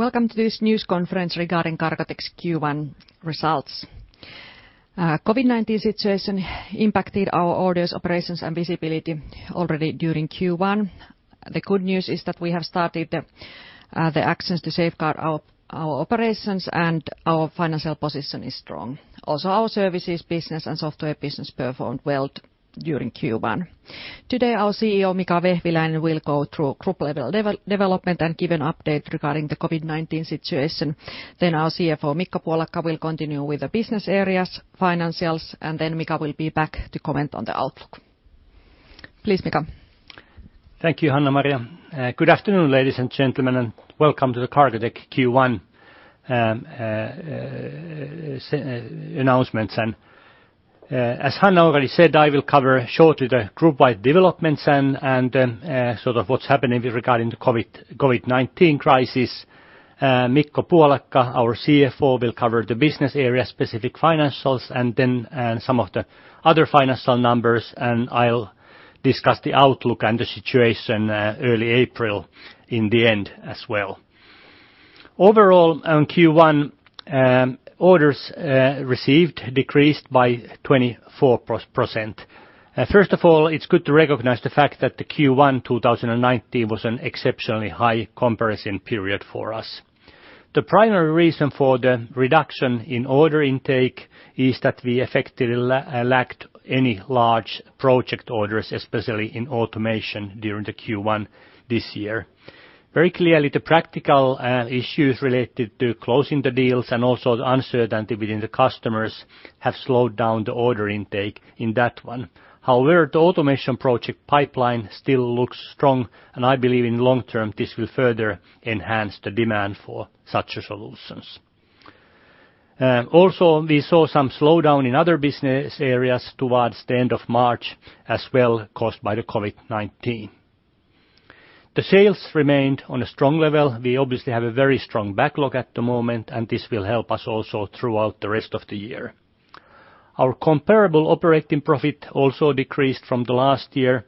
Welcome to this news conference regarding Cargotec's Q1 Results. COVID-19 situation impacted our orders, operations, and visibility already during Q1. The good news is that we have started the actions to safeguard our operations, and our financial position is strong. Our services business and software business performed well during Q1. Today, our CEO, Mika Vehviläinen, will go through group-level development and give an update regarding the COVID-19 situation. Our CFO, Mikko Puolakka, will continue with the business areas financials, and then Mika will be back to comment on the outlook. Please, Mika. Thank you, Hanna-Maria. Good afternoon, ladies and gentlemen, and welcome to the Cargotec Q1 announcements. As Hanna already said, I will cover shortly the group-wide developments and then sort of what's happening regarding the COVID-19 crisis. Mikko Puolakka, our CFO, will cover the business area-specific financials and then some of the other financial numbers, and I'll discuss the outlook and the situation early April in the end as well. Overall, on Q1, orders received decreased by 24%. First of all, it's good to recognize the fact that the Q1 2019 was an exceptionally high comparison period for us. The primary reason for the reduction in order intake is that we effectively lacked any large project orders, especially in automation during the Q1 this year. Very clearly, the practical issues related to closing the deals and also the uncertainty within the customers have slowed down the order intake in that one. The automation project pipeline still looks strong, and I believe in the long term, this will further enhance the demand for such solutions. We saw some slowdown in other business areas towards the end of March as well caused by the COVID-19. The sales remained on a strong level. We obviously have a very strong backlog at the moment, and this will help us also throughout the rest of the year. Our comparable operating profit also decreased from the last year,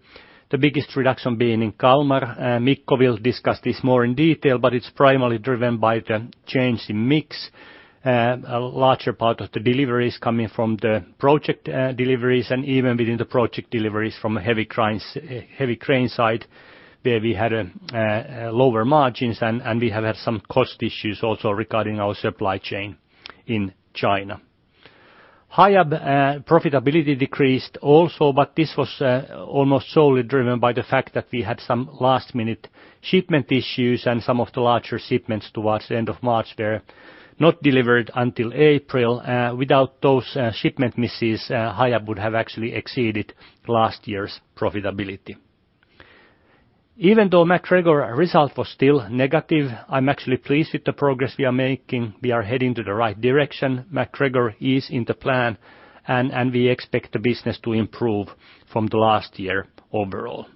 the biggest reduction being in Kalmar. Mikko will discuss this more in detail, but it's primarily driven by the change in mix. A larger part of the deliveries coming from the project deliveries and even within the project deliveries from a heavy crane side where we had lower margins, and we have had some cost issues also regarding our supply chain in China. Hiab profitability decreased also. This was almost solely driven by the fact that we had some last-minute shipment issues and some of the larger shipments towards the end of March were not delivered until April. Without those shipment misses, Hiab would have actually exceeded last year's profitability. Even though MacGregor result was still negative, I'm actually pleased with the progress we are making. We are heading to the right direction. MacGregor is in the plan, and we expect the business to improve from the last year overall.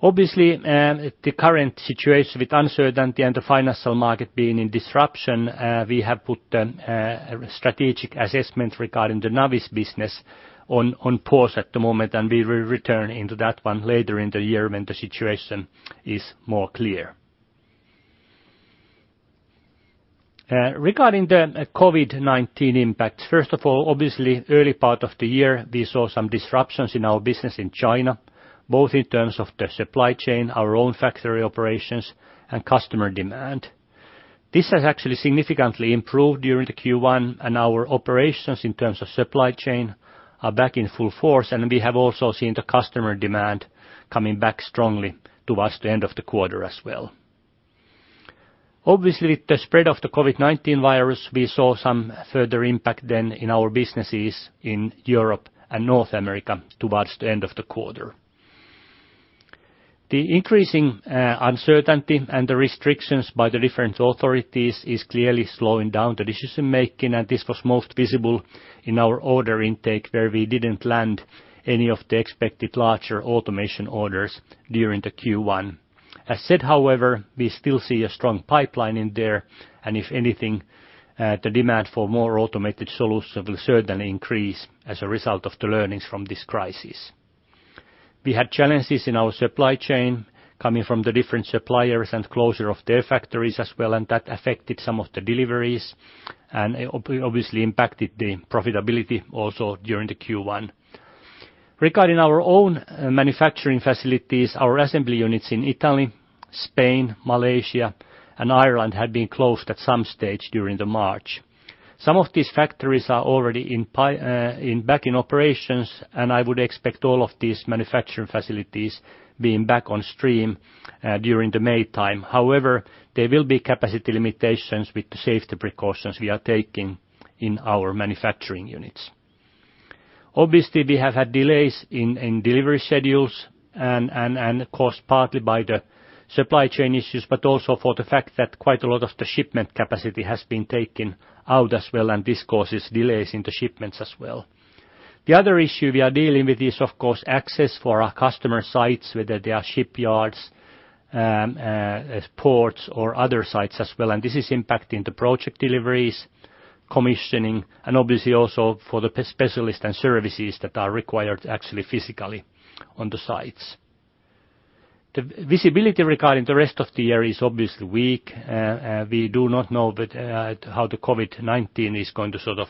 Obviously, the current situation with uncertainty and the financial market being in disruption we have put a strategic assessment regarding the Navis business on pause at the moment, and we will return into that one later in the year when the situation is more clear. Regarding the COVID-19 impact, first of all, obviously, early part of the year, we saw some disruptions in our business in China, both in terms of the supply chain, our own factory operations, and customer demand. This has actually significantly improved during the Q1, and our operations in terms of supply chain are back in full force, and we have also seen the customer demand coming back strongly towards the end of the quarter as well. Obviously, with the spread of the COVID-19 virus, we saw some further impact then in our businesses in Europe and North America towards the end of the quarter. The increasing uncertainty and the restrictions by the different authorities is clearly slowing down the decision-making, and this was most visible in our order intake where we didn't land any of the expected larger automation orders during the Q1. As said, however, we still see a strong pipeline in there, and if anything, the demand for more automated solution will certainly increase as a result of the learnings from this crisis. We had challenges in our supply chain coming from the different suppliers and closure of their factories as well. That affected some of the deliveries and obviously impacted the profitability also during the Q1. Regarding our own manufacturing facilities, our assembly units in Italy, Spain, Malaysia, and Ireland had been closed at some stage during the March. Some of these factories are already back in operations. I would expect all of these manufacturing facilities being back on stream during the May time. However, there will be capacity limitations with the safety precautions we are taking in our manufacturing units. Obviously, we have had delays in delivery schedules and caused partly by the supply chain issues, but also for the fact that quite a lot of the shipment capacity has been taken out as well, and this causes delays in the shipments as well. The other issue we are dealing with is, of course, access for our customer sites, whether they are shipyards, ports, or other sites as well. This is impacting the project deliveries, commissioning, and obviously also for the specialist and services that are required actually physically on the site. The visibility regarding the rest of the year is obviously weak. We do not know how the COVID-19 is going to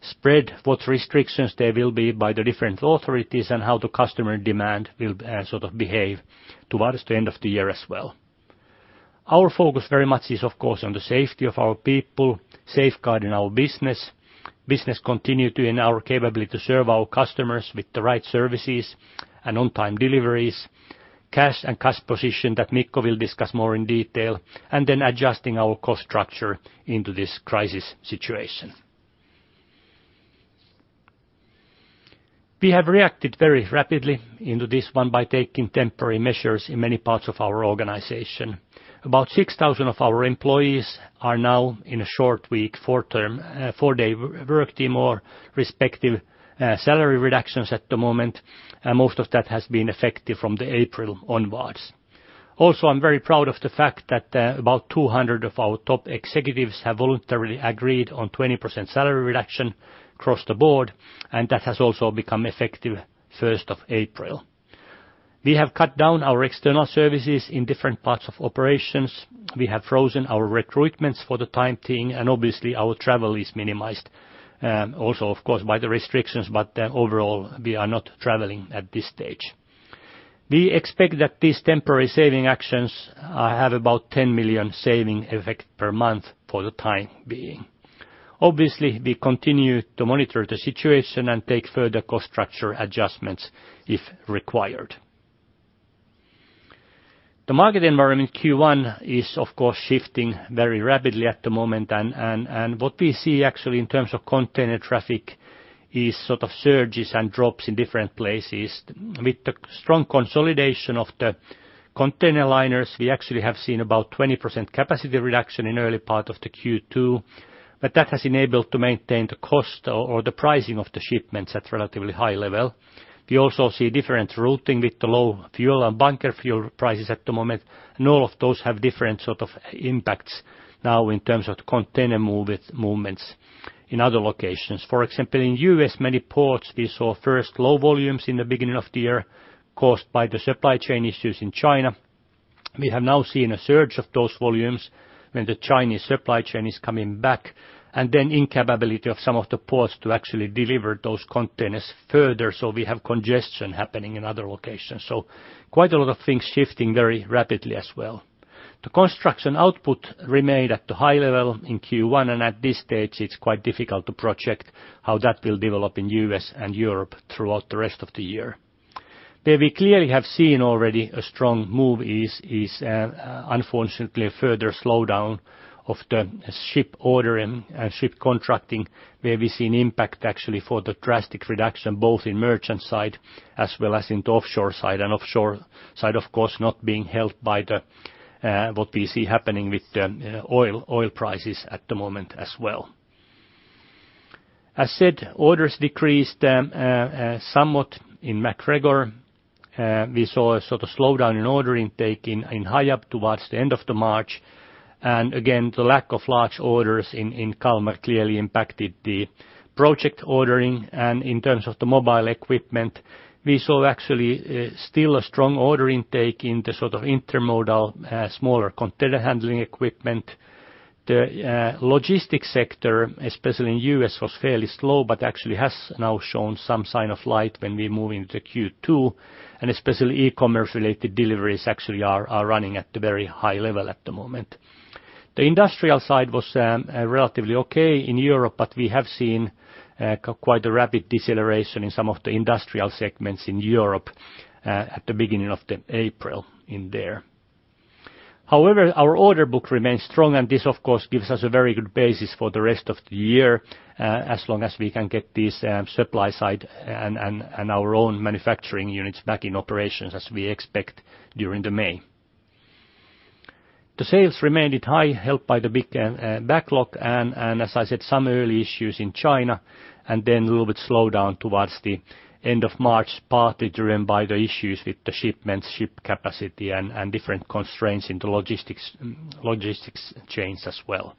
spread, what restrictions there will be by the different authorities, and how the customer demand will behave towards the end of the year as well. Our focus very much is, of course, on the safety of our people, safeguarding our business continuity, and our capability to serve our customers with the right services and on-time deliveries, cash and cash position that Mikko will discuss more in detail, and then adjusting our cost structure into this crisis situation. We have reacted very rapidly into this one by taking temporary measures in many parts of our organization. About 6,000 of our employees are now in a short week, four-day workweek, or respective salary reductions at the moment. Most of that has been effective from the April onwards. Also, I'm very proud of the fact that about 200 of our top executives have voluntarily agreed on 20% salary reduction across the board, and that has also become effective 1st of April. We have cut down our external services in different parts of operations. We have frozen our recruitments for the time being. Obviously, our travel is minimized. Also, of course, by the restrictions. Overall, we are not traveling at this stage. We expect that these temporary saving actions have about 10 million saving effect per month for the time being. Obviously, we continue to monitor the situation and take further cost structure adjustments if required. The market environment Q1 is, of course, shifting very rapidly at the moment. What we see actually in terms of container traffic is surges and drops in different places. With the strong consolidation of the container liners, we actually have seen about 20% capacity reduction in early part of the Q2. That has enabled to maintain the cost or the pricing of the shipments at relatively high level. We also see different routing with the low fuel and bunker fuel prices at the moment. All of those have different sort of impacts now in terms of the container movements in other locations. For example, in U.S., many ports, we saw first low volumes in the beginning of the year caused by the supply chain issues in China. We have now seen a surge of those volumes when the Chinese supply chain is coming back. Then incapability of some of the ports to actually deliver those containers further. We have congestion happening in other locations. Quite a lot of things shifting very rapidly as well. The construction output remained at the high level in Q1. At this stage, it's quite difficult to project how that will develop in U.S. and Europe throughout the rest of the year. Where we clearly have seen already a strong move is unfortunately a further slowdown of the ship ordering and ship contracting, where we've seen impact actually for the drastic reduction both in merchant side as well as in the offshore side. Offshore side, of course, not being helped by what we see happening with the oil prices at the moment as well. As said, orders decreased somewhat in MacGregor. We saw a sort of slowdown in order intake in Hiab towards the end of the March. Again, the lack of large orders in Kalmar clearly impacted the project ordering. In terms of the mobile equipment, we saw actually still a strong order intake in the sort of intermodal, smaller container handling equipment. The logistics sector, especially in U.S., was fairly slow, but actually has now shown some sign of light when we move into Q2. Especially e-commerce-related deliveries actually are running at the very high level at the moment. The industrial side was relatively okay in Europe, but we have seen quite a rapid deceleration in some of the industrial segments in Europe at the beginning of April in there. However, our order book remains strong and this, of course, gives us a very good basis for the rest of the year, as long as we can get this supply side and our own manufacturing units back in operations as we expect during May. The sales remained at high, helped by the big backlog and, as I said, some early issues in China, and then a little bit slowdown towards the end of March, partly driven by the issues with the shipments, ship capacity, and different constraints in the logistics chains as well.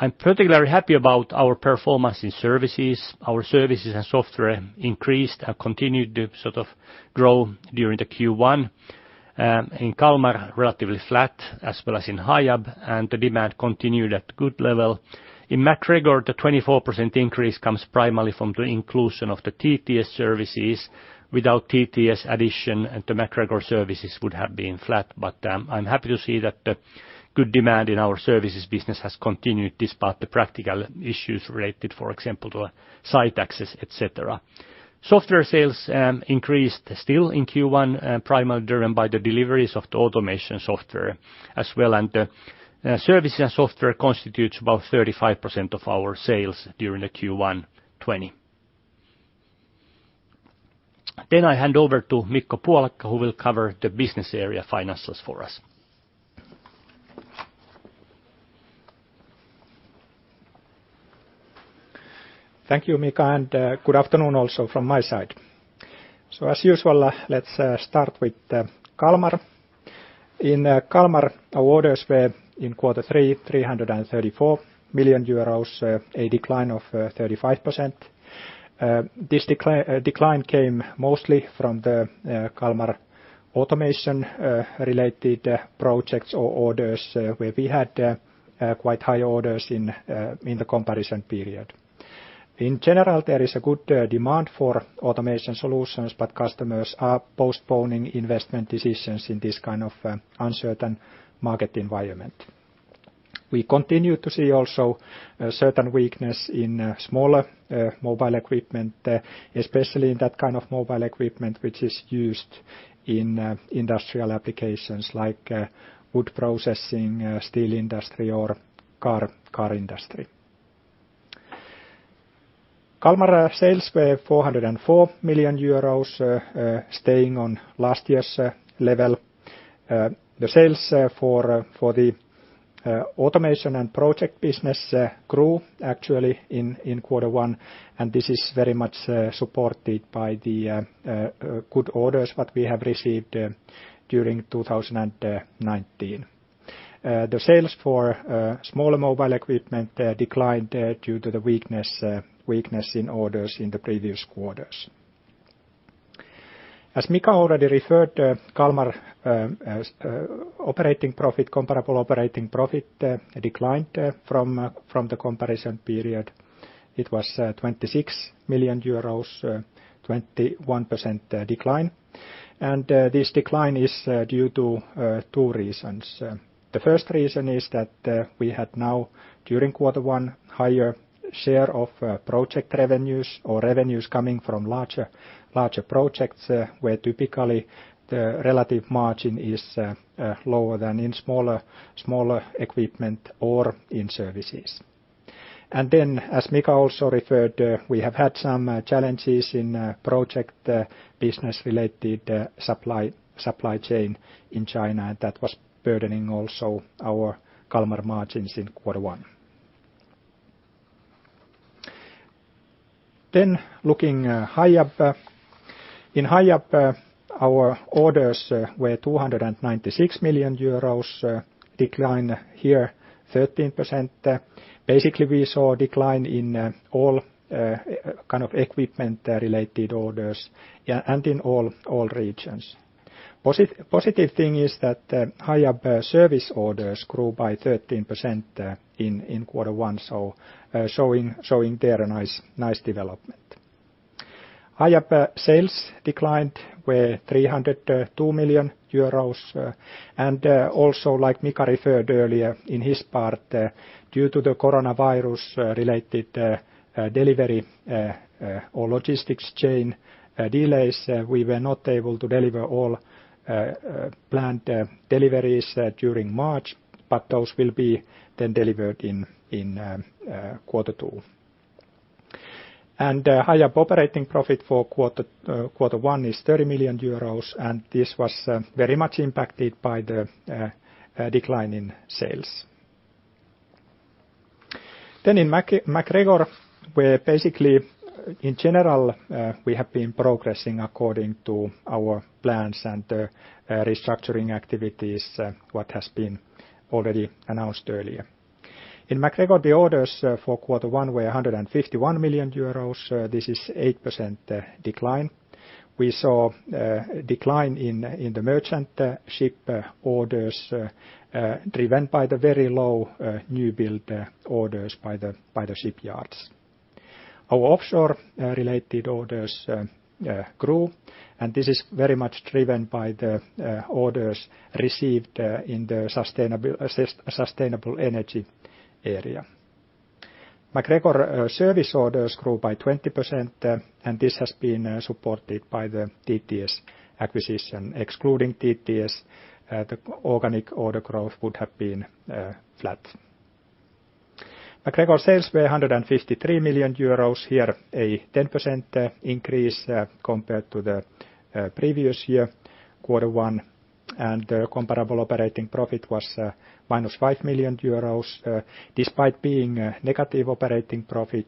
I'm particularly happy about our performance in services. Our services and software increased and continued to sort of grow during the Q1. In Kalmar, relatively flat, as well as in Hiab. The demand continued at good level. In MacGregor, the 24% increase comes primarily from the inclusion of the TTS services. Without TTS addition, the MacGregor services would have been flat. I'm happy to see that the good demand in our services business has continued despite the practical issues related, for example, to site access, et cetera. Software sales increased still in Q1, primarily driven by the deliveries of the automation software as well. The service and software constitutes about 35% of our sales during the Q1 2020. I hand over to Mikko Puolakka, who will cover the business area financials for us. Thank you, Mika. Good afternoon also from my side. As usual, let's start with Kalmar. In Kalmar, our orders were in quarter three, 334 million euros, a decline of 35%. This decline came mostly from the Kalmar automation-related projects or orders where we had quite high orders in the comparison period. In general, there is a good demand for automation solutions, but customers are postponing investment decisions in this kind of uncertain market environment. We continue to see also a certain weakness in smaller mobile equipment, especially in that kind of mobile equipment which is used in industrial applications like wood processing, steel industry or car industry. Kalmar sales were 404 million euros, staying on last year's level. The sales for the automation and project business grew actually in quarter one, and this is very much supported by the good orders that we have received during 2019. The sales for smaller mobile equipment declined due to the weakness in orders in the previous quarters. As Mika already referred, Kalmar comparable operating profit declined from the comparison period. It was 26 million euros, 21% decline. This decline is due to two reasons. The first reason is that we had now, during quarter one, higher share of project revenues or revenues coming from larger projects where typically the relative margin is lower than in smaller equipment or in services. As Mika also referred, we have had some challenges in project business-related supply chain in China that was burdening also our Kalmar margins in quarter one. Looking Hiab. In Hiab, our orders were 296 million euros, decline here 13%. Basically, we saw a decline in all kind of equipment-related orders and in all regions. Positive thing is that Hiab service orders grew by 13% in quarter one, so showing there a nice development. Hiab sales declined, were 302 million euros and also like Mika referred earlier in his part, due to the coronavirus-related delivery or logistics chain delays, we were not able to deliver all planned deliveries during March, but those will be then delivered in quarter two. Hiab operating profit for quarter one is 30 million euros, and this was very much impacted by the decline in sales. In MacGregor, where basically in general, we have been progressing according to our plans and restructuring activities, what has been already announced earlier. In MacGregor, the orders for quarter one were 151 million euros. This is 8% decline. We saw a decline in the merchant ship orders driven by the very low new build orders by the shipyards. Our offshore-related orders grew, and this is very much driven by the orders received in the sustainable energy area. MacGregor service orders grew by 20%, and this has been supported by the TTS acquisition. Excluding TTS, the organic order growth would have been flat. MacGregor sales were 153 million euros, here a 10% increase compared to the previous year quarter one, and comparable operating profit was minus 5 million euros. Despite being a negative operating profit,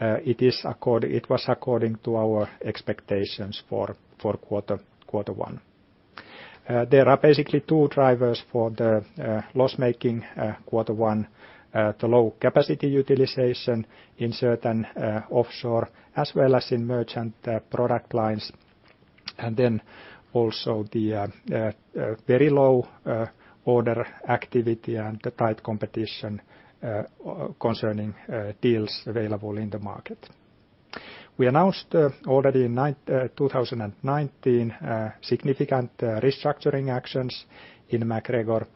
it was according to our expectations for quarter one. There are basically two drivers for the loss-making quarter one: the low capacity utilization in certain offshore as well as in merchant product lines, and then also the very low order activity and the tight competition concerning deals available in the market. We announced already in 2019 significant restructuring actions in MacGregor.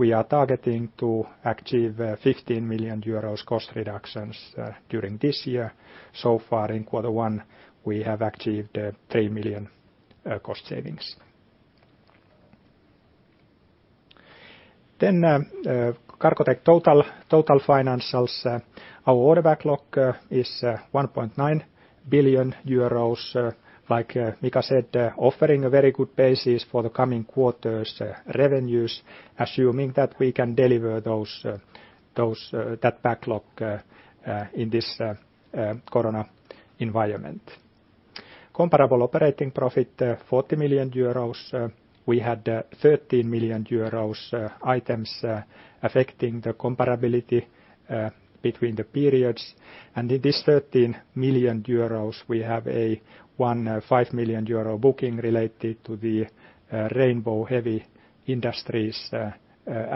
We are targeting to achieve 15 million euros cost reductions during this year. So far in quarter one, we have achieved 3 million cost savings. Cargotec total financials. Our order backlog is 1.9 billion euros, like Mika said, offering a very good basis for the coming quarters' revenues, assuming that we can deliver that backlog in this COVID-19 environment. Comparable operating profit 40 million euros. We had 13 million euros items affecting the comparability between the periods. In this 13 million euros, we have one 5 million euro booking related to the Rainbow Heavy Industries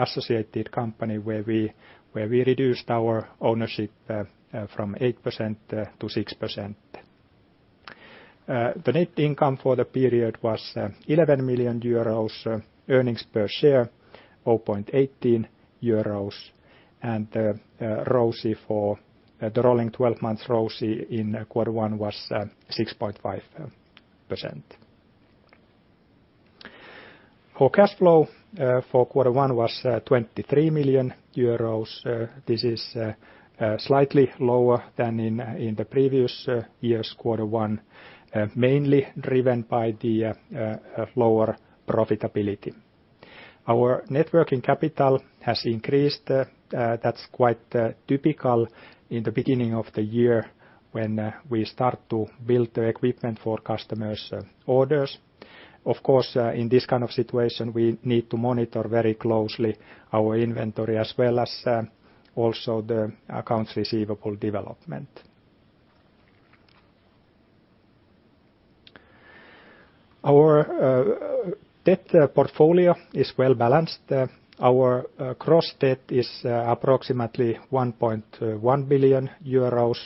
associated company, where we reduced our ownership from 8%-6%. The net income for the period was 11 million euros, earnings per share 0.18 euros, and the rolling 12 months ROCE in quarter one was 6.5%. Our cash flow for quarter one was 23 million euros. This is slightly lower than in the previous year's quarter one, mainly driven by the lower profitability. Our net working capital has increased. That's quite typical in the beginning of the year when we start to build the equipment for customers' orders. Of course, in this kind of situation, we need to monitor very closely our inventory as well as also the accounts receivable development. Our debt portfolio is well-balanced. Our gross debt is approximately 1.1 billion euros,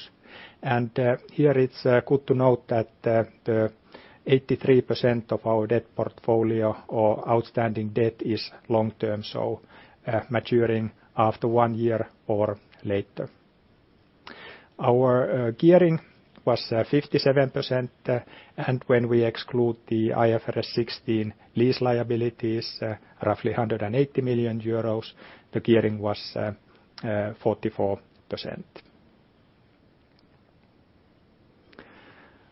and here it's good to note that 83% of our debt portfolio or outstanding debt is long-term, so maturing after one year or later. Our gearing was 57%, and when we exclude the IFRS 16 lease liabilities, roughly 180 million euros, the gearing was 44%.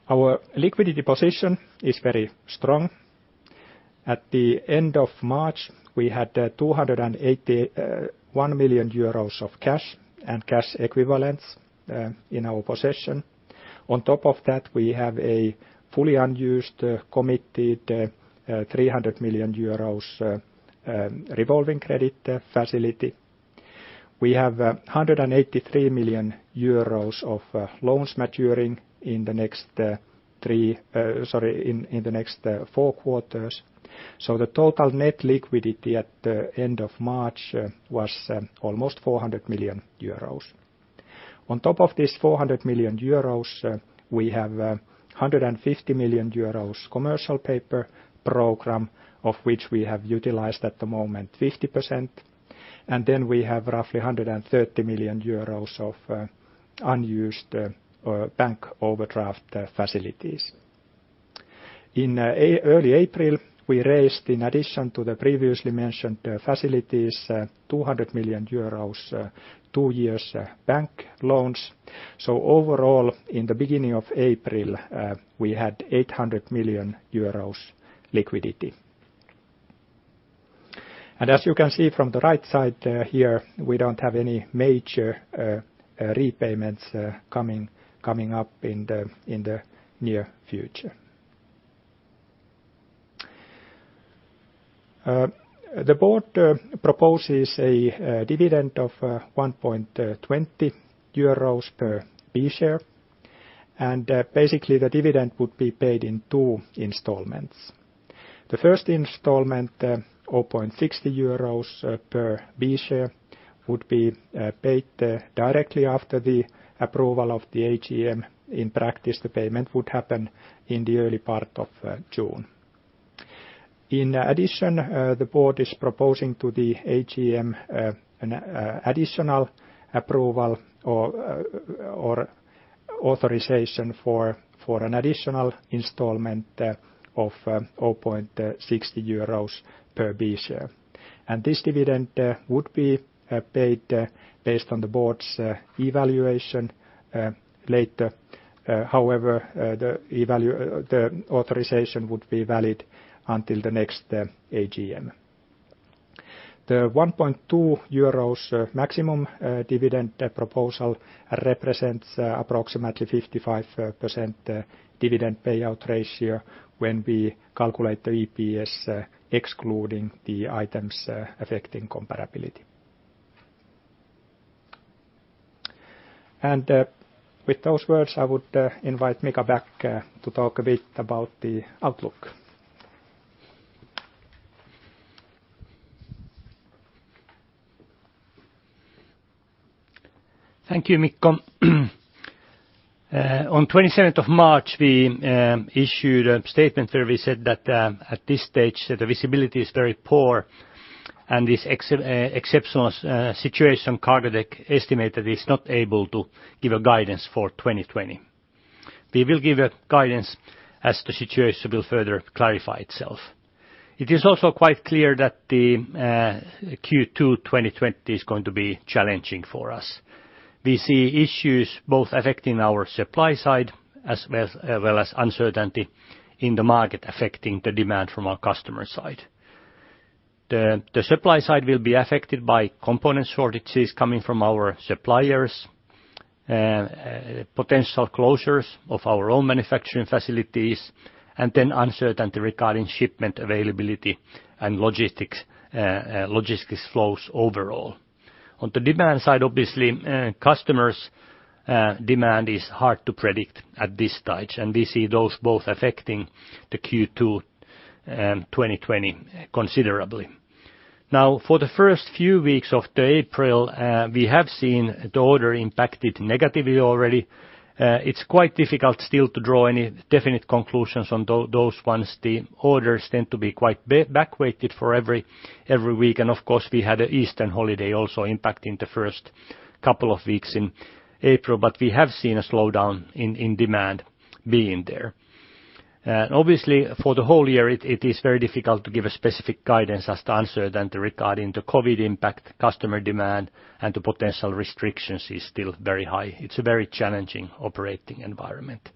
Our liquidity position is very strong. At the end of March, we had 281 million euros of cash and cash equivalents in our possession. We have a fully unused committed 300 million euros revolving credit facility. We have 183 million euros of loans maturing in the next four quarters. The total net liquidity at the end of March was almost 400 million euros. On top of this 400 million euros, we have a 150 million euros commercial paper program, of which we have utilized at the moment 50%. We have roughly 130 million euros of unused bank overdraft facilities. In early April, we raised, in addition to the previously mentioned facilities, 200 million euros two-year bank loans. Overall, in the beginning of April, we had 800 million euros liquidity. As you can see from the right side here, we don't have any major repayments coming up in the near future. The board proposes a dividend of 1.20 euros per B-share, and basically the dividend would be paid in two installments. The first installment, 0.60 euros per B-share, would be paid directly after the approval of the AGM. In practice, the payment would happen in the early part of June. In addition, the board is proposing to the AGM an additional approval or authorization for an additional installment of 0.60 euros per B share. This dividend would be paid based on the board's evaluation later. However, the authorization would be valid until the next AGM. The 1.2 euros maximum dividend proposal represents approximately 55% dividend payout ratio when we calculate the EPS excluding the items affecting comparability. With those words, I would invite Mika back to talk a bit about the outlook. Thank you, Mikko. On 27th of March, we issued a statement where we said that at this stage, the visibility is very poor and this exceptional situation, Cargotec estimated, is not able to give a guidance for 2020. We will give a guidance as the situation will further clarify itself. It is also quite clear that the Q2 2020 is going to be challenging for us. We see issues both affecting our supply side as well as uncertainty in the market affecting the demand from our customer side. The supply side will be affected by component shortages coming from our suppliers, potential closures of our own manufacturing facilities, and then uncertainty regarding shipment availability and logistics flows overall. On the demand side, obviously, customers' demand is hard to predict at this stage, and we see those both affecting the Q2 2020 considerably. Now, for the first few weeks of April, we have seen the order impacted negatively already. It's quite difficult still to draw any definite conclusions on those ones. The orders tend to be quite back-weighted for every week. Of course, we had an Easter holiday also impacting the first couple of weeks in April. We have seen a slowdown in demand being there. Obviously, for the whole year, it is very difficult to give a specific guidance as to uncertainty regarding the COVID-19 impact, customer demand, and the potential restrictions is still very high. It's a very challenging operating environment.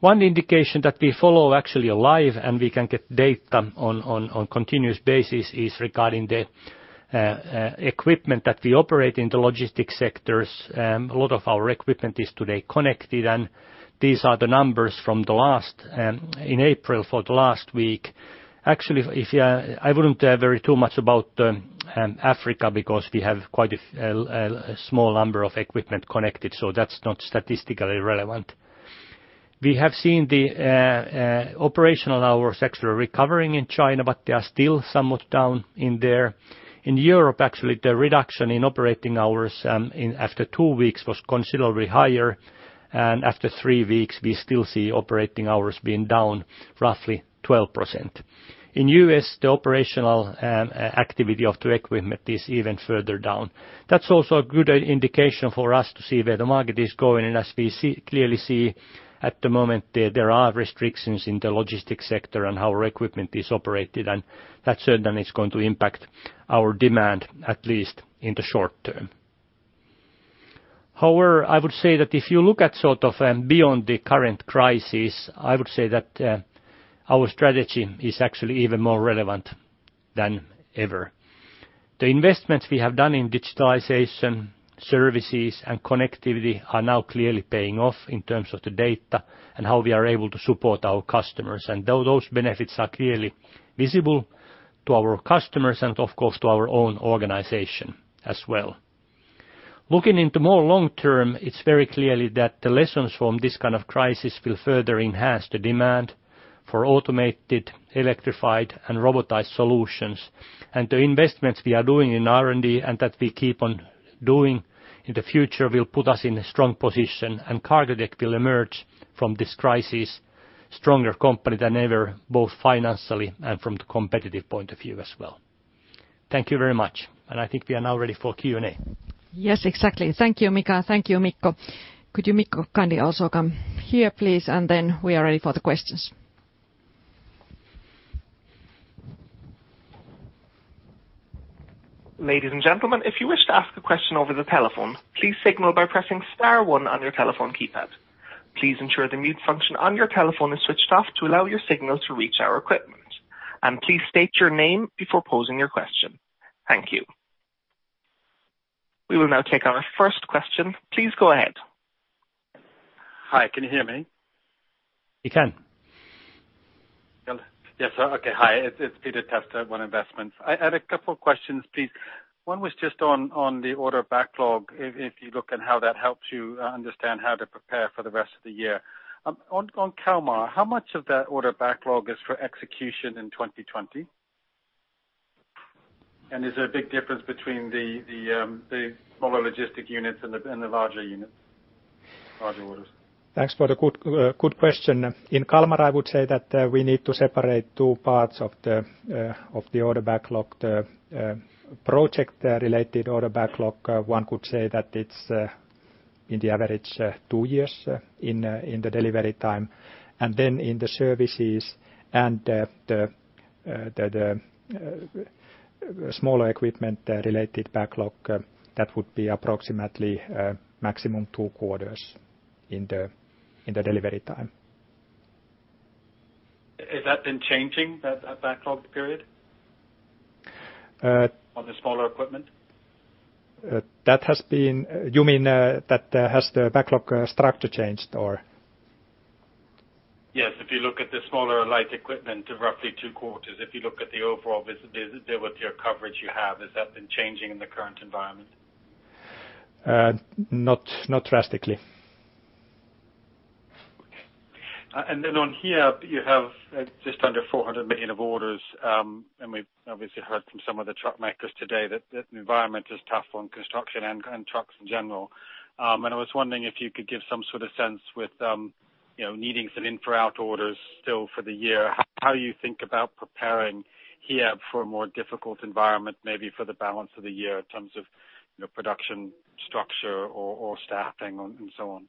One indication that we follow actually live, and we can get data on a continuous basis is regarding the equipment that we operate in the logistics sectors. A lot of our equipment is today connected, and these are the numbers in April for the last week. Actually, I wouldn't worry too much about Africa because we have quite a small number of equipment connected, so that's not statistically relevant. We have seen the operational hours actually recovering in China, but they are still somewhat down in there. In Europe, actually, the reduction in operating hours after two weeks was considerably higher, and after three weeks, we still see operating hours being down roughly 12%. In U.S., the operational activity of the equipment is even further down. That's also a good indication for us to see where the market is going. As we clearly see at the moment, there are restrictions in the logistics sector on how our equipment is operated, and that certainly is going to impact our demand, at least in the short term. However, I would say that if you look at sort of beyond the current crisis, I would say that our strategy is actually even more relevant than ever. The investments we have done in digitalization, services, and connectivity are now clearly paying off in terms of the data and how we are able to support our customers. Those benefits are clearly visible to our customers and, of course, to our own organization as well. Looking into more long-term, it's very clearly that the lessons from this kind of crisis will further enhance the demand for automated, electrified, and robotized solutions. The investments we are doing in R&D and that we keep on doing in the future will put us in a strong position, and Cargotec will emerge from this crisis stronger company than ever, both financially and from the competitive point of view as well. Thank you very much, and I think we are now ready for Q&A. Yes, exactly. Thank you, Mika. Thank you, Mikko. Could you, Mikko, kindly also come here, please? Then we are ready for the questions. Ladies and gentlemen, if you wish to ask a question over the telephone, please signal by pressing star one on your telephone keypad. Please ensure the mute function on your telephone is switched off to allow your signal to reach our equipment. Please state your name before posing your question. Thank you. We will now take our first question. Please go ahead. Hi, can you hear me? We can. Yes. Okay. Hi, it's Peter Testa, One Investments. I had a couple questions, please. One was just on the order backlog, if you look at how that helps you understand how to prepare for the rest of the year. On Kalmar, how much of that order backlog is for execution in 2020? Is there a big difference between the smaller logistic units and the larger units, larger orders? Thanks for the good question. In Kalmar, I would say that we need to separate two parts of the order backlog. The project-related order backlog, one could say that it's in the average two years in the delivery time. In the services and the smaller equipment-related backlog, that would be approximately maximum two quarters in the delivery time. Has that been changing, that backlog period? Uh- on the smaller equipment? You mean has the backlog structure changed or? Yes, if you look at the smaller light equipment of roughly two quarters, if you look at the overall visibility of coverage you have, has that been changing in the current environment? Not drastically. Okay. On Hiab, you have just under 400 million of orders. We've obviously heard from some of the truck makers today that the environment is tough on construction and trucks in general. I was wondering if you could give some sort of sense with needing some info out orders still for the year, how you think about preparing Hiab for a more difficult environment, maybe for the balance of the year in terms of production structure or staffing and so on?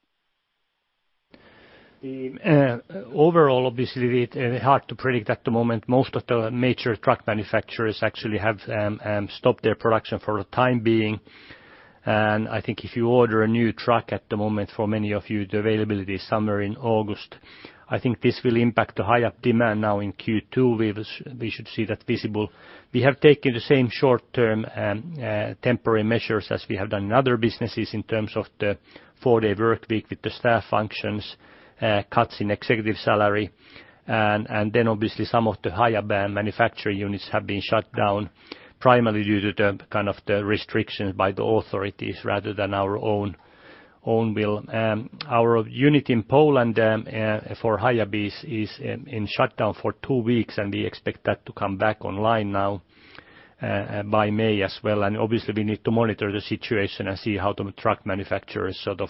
Obviously, hard to predict at the moment. Most of the major truck manufacturers actually have stopped their production for the time being. I think if you order a new truck at the moment, for many of you, the availability is somewhere in August. I think this will impact the Hiab demand now in Q2, we should see that visible. We have taken the same short-term temporary measures as we have done in other businesses in terms of the four-day work week with the staff functions, cuts in executive salary, and then obviously some of the higher manufacturing units have been shut down primarily due to the restrictions by the authorities rather than our own will. Our unit in Poland for Hiab is in shutdown for two weeks, and we expect that to come back online now by May as well. Obviously we need to monitor the situation and see how the truck manufacturer's sort of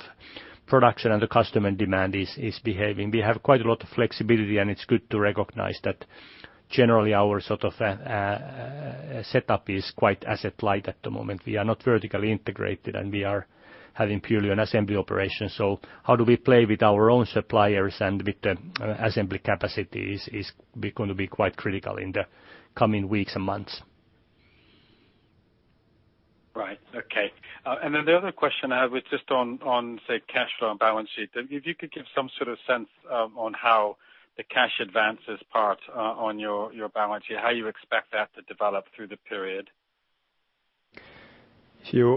production and the customer demand is behaving. We have quite a lot of flexibility, and it's good to recognize that generally our sort of setup is quite asset light at the moment. We are not vertically integrated, and we are having purely an assembly operation. How do we play with our own suppliers and with the assembly capacity is going to be quite critical in the coming weeks and months. Right. Okay. The other question I have is just on, say, cash flow and balance sheet. If you could give some sort of sense on how the cash advances part on your balance sheet, how you expect that to develop through the period.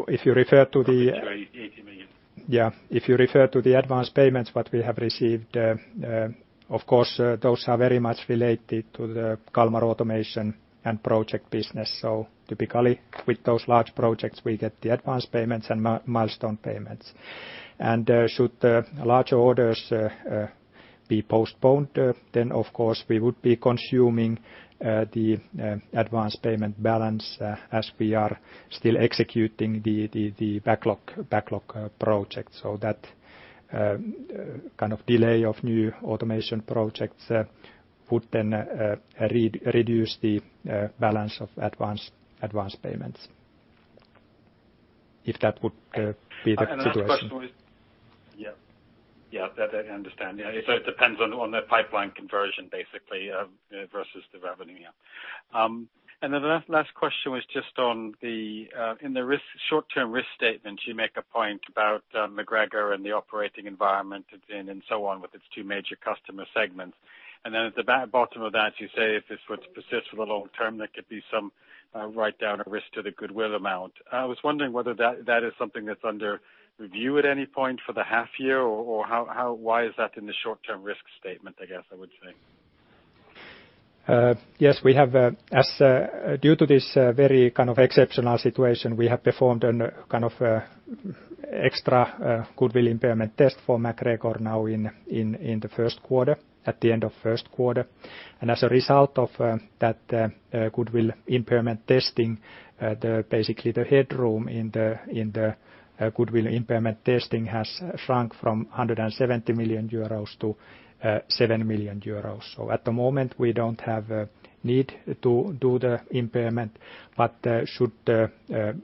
If you refer to. Up to EUR 80 million. Yeah. If you refer to the advanced payments that we have received, of course, those are very much related to the Kalmar automation and project business. Typically with those large projects, we get the advanced payments and milestone payments. Should larger orders be postponed, then of course we would be consuming the advanced payment balance as we are still executing the backlog projects. That kind of delay of new automation projects would then reduce the balance of advanced payments. If that would be the situation. Yeah. I understand. It depends on the pipeline conversion basically versus the revenue. The last question was just on the, in the short-term risk statement, you make a point about MacGregor and the operating environment it's in and so on with its two major customer segments. At the bottom of that, you say if this were to persist for the long term, there could be some write-down of risk to the goodwill amount. I was wondering whether that is something that's under review at any point for the half year or why is that in the short-term risk statement, I guess I would say? Yes, we have. Due to this very kind of exceptional situation, we have performed an kind of extra goodwill impairment test for MacGregor now in the first quarter, at the end of first quarter. As a result of that goodwill impairment testing, basically the headroom in the goodwill impairment testing has shrunk from 170 million euros to 7 million euros. At the moment, we don't have need to do the impairment, but should the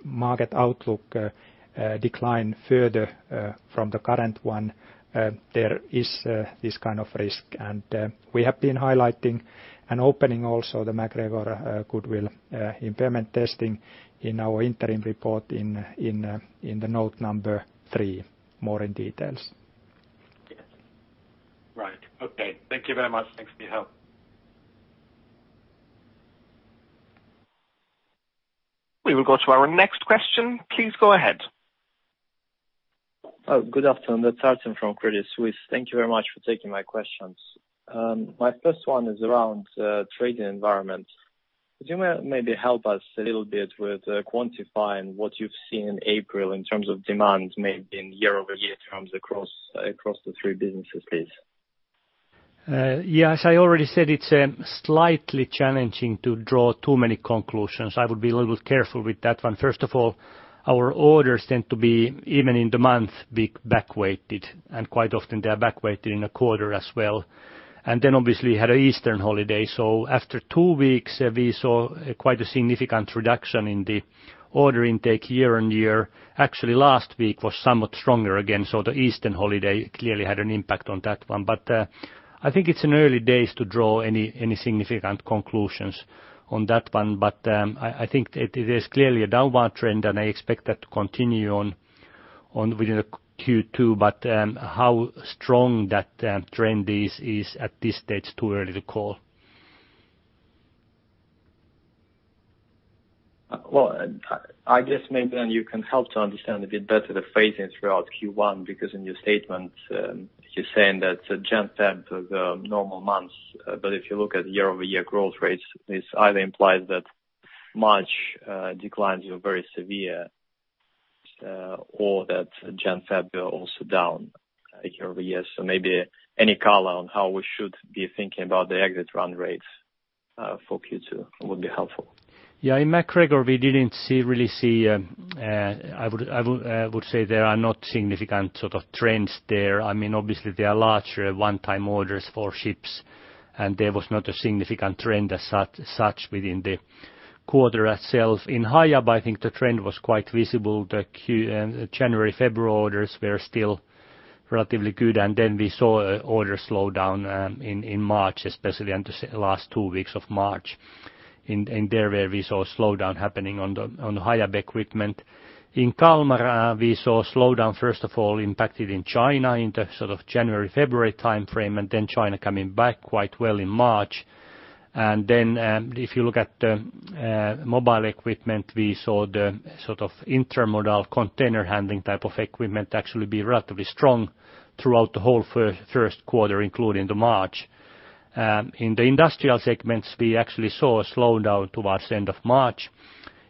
market outlook decline further from the current one, there is this kind of risk. We have been highlighting and opening also the MacGregor goodwill impairment testing in our interim report in the note number three, more in details. Yes. Right. Okay. Thank you very much. Thanks for your help. We will go to our next question. Please go ahead. Good afternoon. That is Artem from Credit Suisse. Thank you very much for taking my questions. My first one is around trading environment. Could you maybe help us a little bit with quantifying what you have seen in April in terms of demand, maybe in year-over-year terms across the three businesses, please? Yes, as I already said, it's slightly challenging to draw too many conclusions. I would be a little bit careful with that one. First of all, our orders tend to be, even in the month, back weighted, and quite often they're back weighted in a quarter as well. Then obviously had an Easter holiday. After two weeks, we saw quite a significant reduction in the order intake year-on-year. Actually, last week was somewhat stronger again, so the Easter holiday clearly had an impact on that one. I think it's in early days to draw any significant conclusions on that one. I think it is clearly a downward trend, and I expect that to continue on within the Q2, but how strong that trend is at this stage too early to call. I guess maybe then you can help to understand a bit better the phasing throughout Q1 because in your statement you're saying that Jan, Feb are the normal months. If you look at year-over-year growth rates, this either implies that March declines were very severe or that Jan, Feb are also down year-over-year. Maybe any color on how we should be thinking about the exit run rates for Q2 would be helpful. Yeah, in MacGregor, we didn't really see I would say there are not significant sort of trends there. Obviously, there are larger one-time orders for ships. There was not a significant trend as such within the quarter itself. In Hiab, I think the trend was quite visible. The January, February orders were still relatively good. We saw orders slow down in March, especially the last two weeks of March. There where we saw slowdown happening on the Hiab equipment. In Kalmar, we saw slowdown first of all impacted in China in the sort of January-February timeframe. China coming back quite well in March. If you look at the mobile equipment, we saw the sort of intermodal container handling type of equipment actually be relatively strong throughout the whole first quarter, including the March. In the industrial segments, we actually saw a slowdown towards the end of March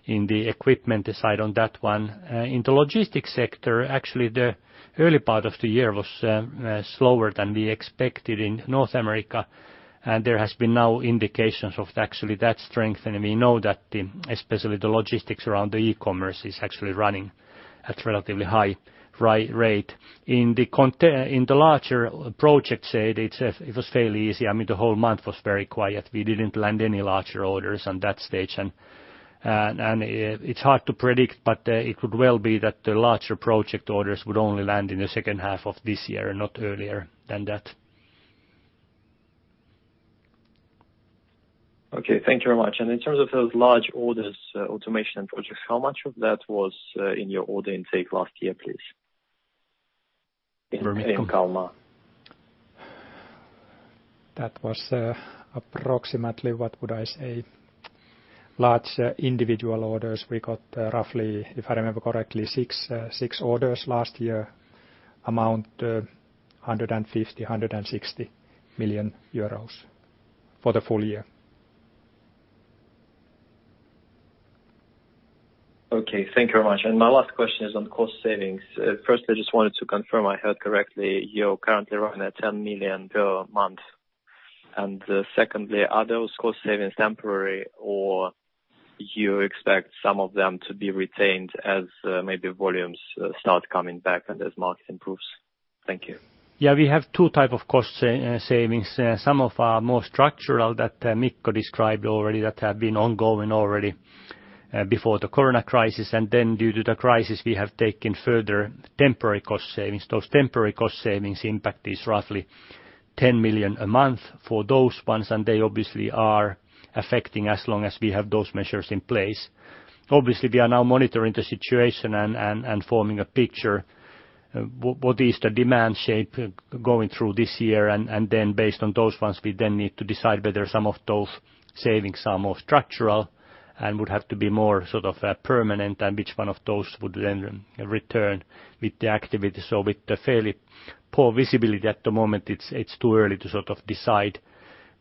in the equipment side on that one. In the logistics sector, actually, the early part of the year was slower than we expected in North America, and there has been now indications of actually that strengthening. We know that especially the logistics around the e-commerce is actually running at relatively high rate. In the larger project side, it was fairly easy. I mean, the whole month was very quiet. We didn't land any larger orders on that stage. It's hard to predict, but it could well be that the larger project orders would only land in the second half of this year and not earlier than that. Okay. Thank you very much. In terms of those large orders, automation and projects, how much of that was in your order intake last year, please? In Kalmar. That was approximately, what would I say, large individual orders we got roughly, if I remember correctly, six orders last year, amount 150 million-160 million euros for the full year. Okay. Thank you very much. My last question is on cost savings. First, I just wanted to confirm I heard correctly, you're currently running at 10 million per month. Secondly, are those cost savings temporary, or you expect some of them to be retained as maybe volumes start coming back and as market improves? Thank you. Yeah, we have two type of cost savings. Some of our more structural that Mikko described already that have been ongoing already before the corona crisis. Due to the crisis, we have taken further temporary cost savings. Those temporary cost savings impact is roughly 10 million a month for those ones, and they obviously are affecting as long as we have those measures in place. Obviously, we are now monitoring the situation and forming a picture. What is the demand shape going through this year? Based on those ones, we then need to decide whether some of those savings are more structural and would have to be more sort of permanent and which one of those would then return with the activity. With the fairly poor visibility at the moment, it's too early to sort of decide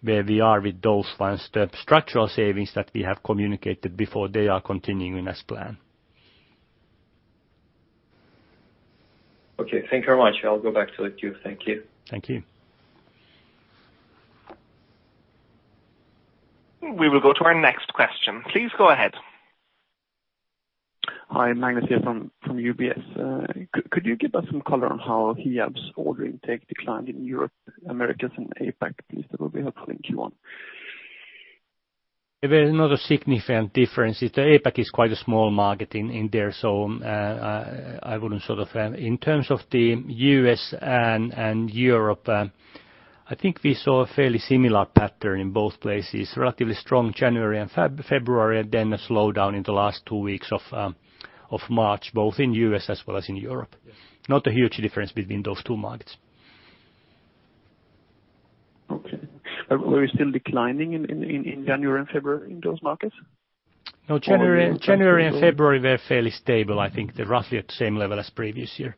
where we are with those ones. The structural savings that we have communicated before, they are continuing as planned. Okay. Thank you very much. I'll go back to the queue. Thank you. Thank you. We will go to our next question. Please go ahead. Hi. Magnus here from UBS. Could you give us some color on how Hiab's order intake declined in Europe, Americas, and APAC, please? That will be helpful in Q1. There is not a significant difference. The APAC is quite a small market in there. In terms of the U.S. and Europe, I think we saw a fairly similar pattern in both places. Relatively strong January and February, a slowdown in the last two weeks of March, both in U.S. as well as in Europe. Not a huge difference between those two markets. Okay. Were you still declining in January and February in those markets? No, January and February were fairly stable. I think they're roughly at the same level as previous year.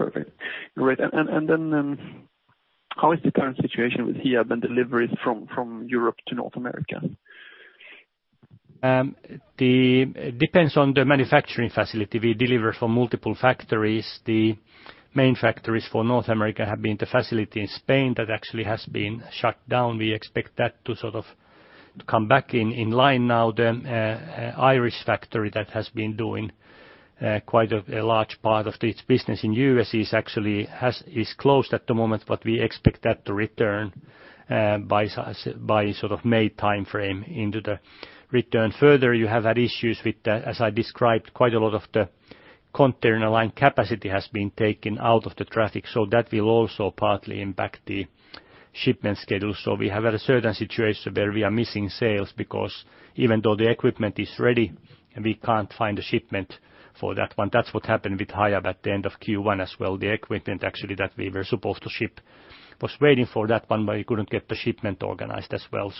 Perfect. Great. How is the current situation with Hiab and deliveries from Europe to North America? Depends on the manufacturing facility. We deliver for multiple factories. The main factories for North America have been the facility in Spain that actually has been shut down. We expect that to sort of come back in line now. The Irish factory that has been doing quite a large part of its business in U.S. is closed at the moment. We expect that to return by sort of May timeframe into the return. Further, you have had issues with the, as I described, quite a lot of the container line capacity has been taken out of the traffic. That will also partly impact the shipment schedule. We have had a certain situation where we are missing sales because even though the equipment is ready, we can't find a shipment for that one. That's what happened with Hiab at the end of Q1 as well. The equipment actually that we were supposed to ship was waiting for that one, but we couldn't get the shipment organized as well.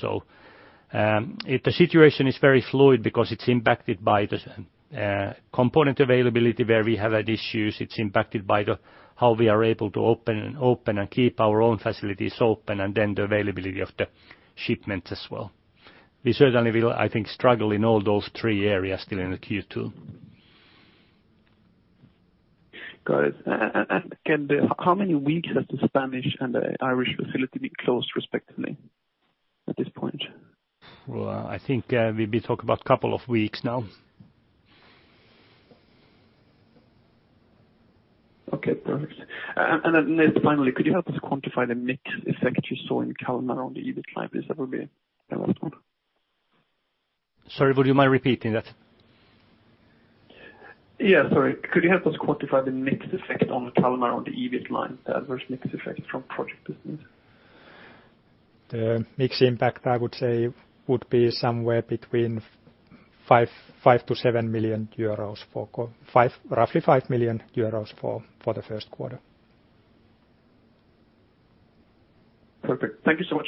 The situation is very fluid because it's impacted by the component availability where we have had issues. It's impacted by how we are able to open and keep our own facilities open, and then the availability of the shipment as well. We certainly will, I think, struggle in all those three areas still in the Q2. Got it. How many weeks has the Spanish and the Irish facility been closed respectively at this point? Well, I think we talk about couple of weeks now. Okay. Perfect. Could you help us quantify the mix effect you saw in Kalmar on the EBIT line, please? That would be the last one. Sorry, would you mind repeating that? Yeah, sorry. Could you help us quantify the mix effect on the Kalmar on the EBIT line, the adverse mix effect from project business? The mix impact, I would say would be somewhere between 5 million and 7 million euros, roughly 5 million euros for the first quarter. Perfect. Thank you so much.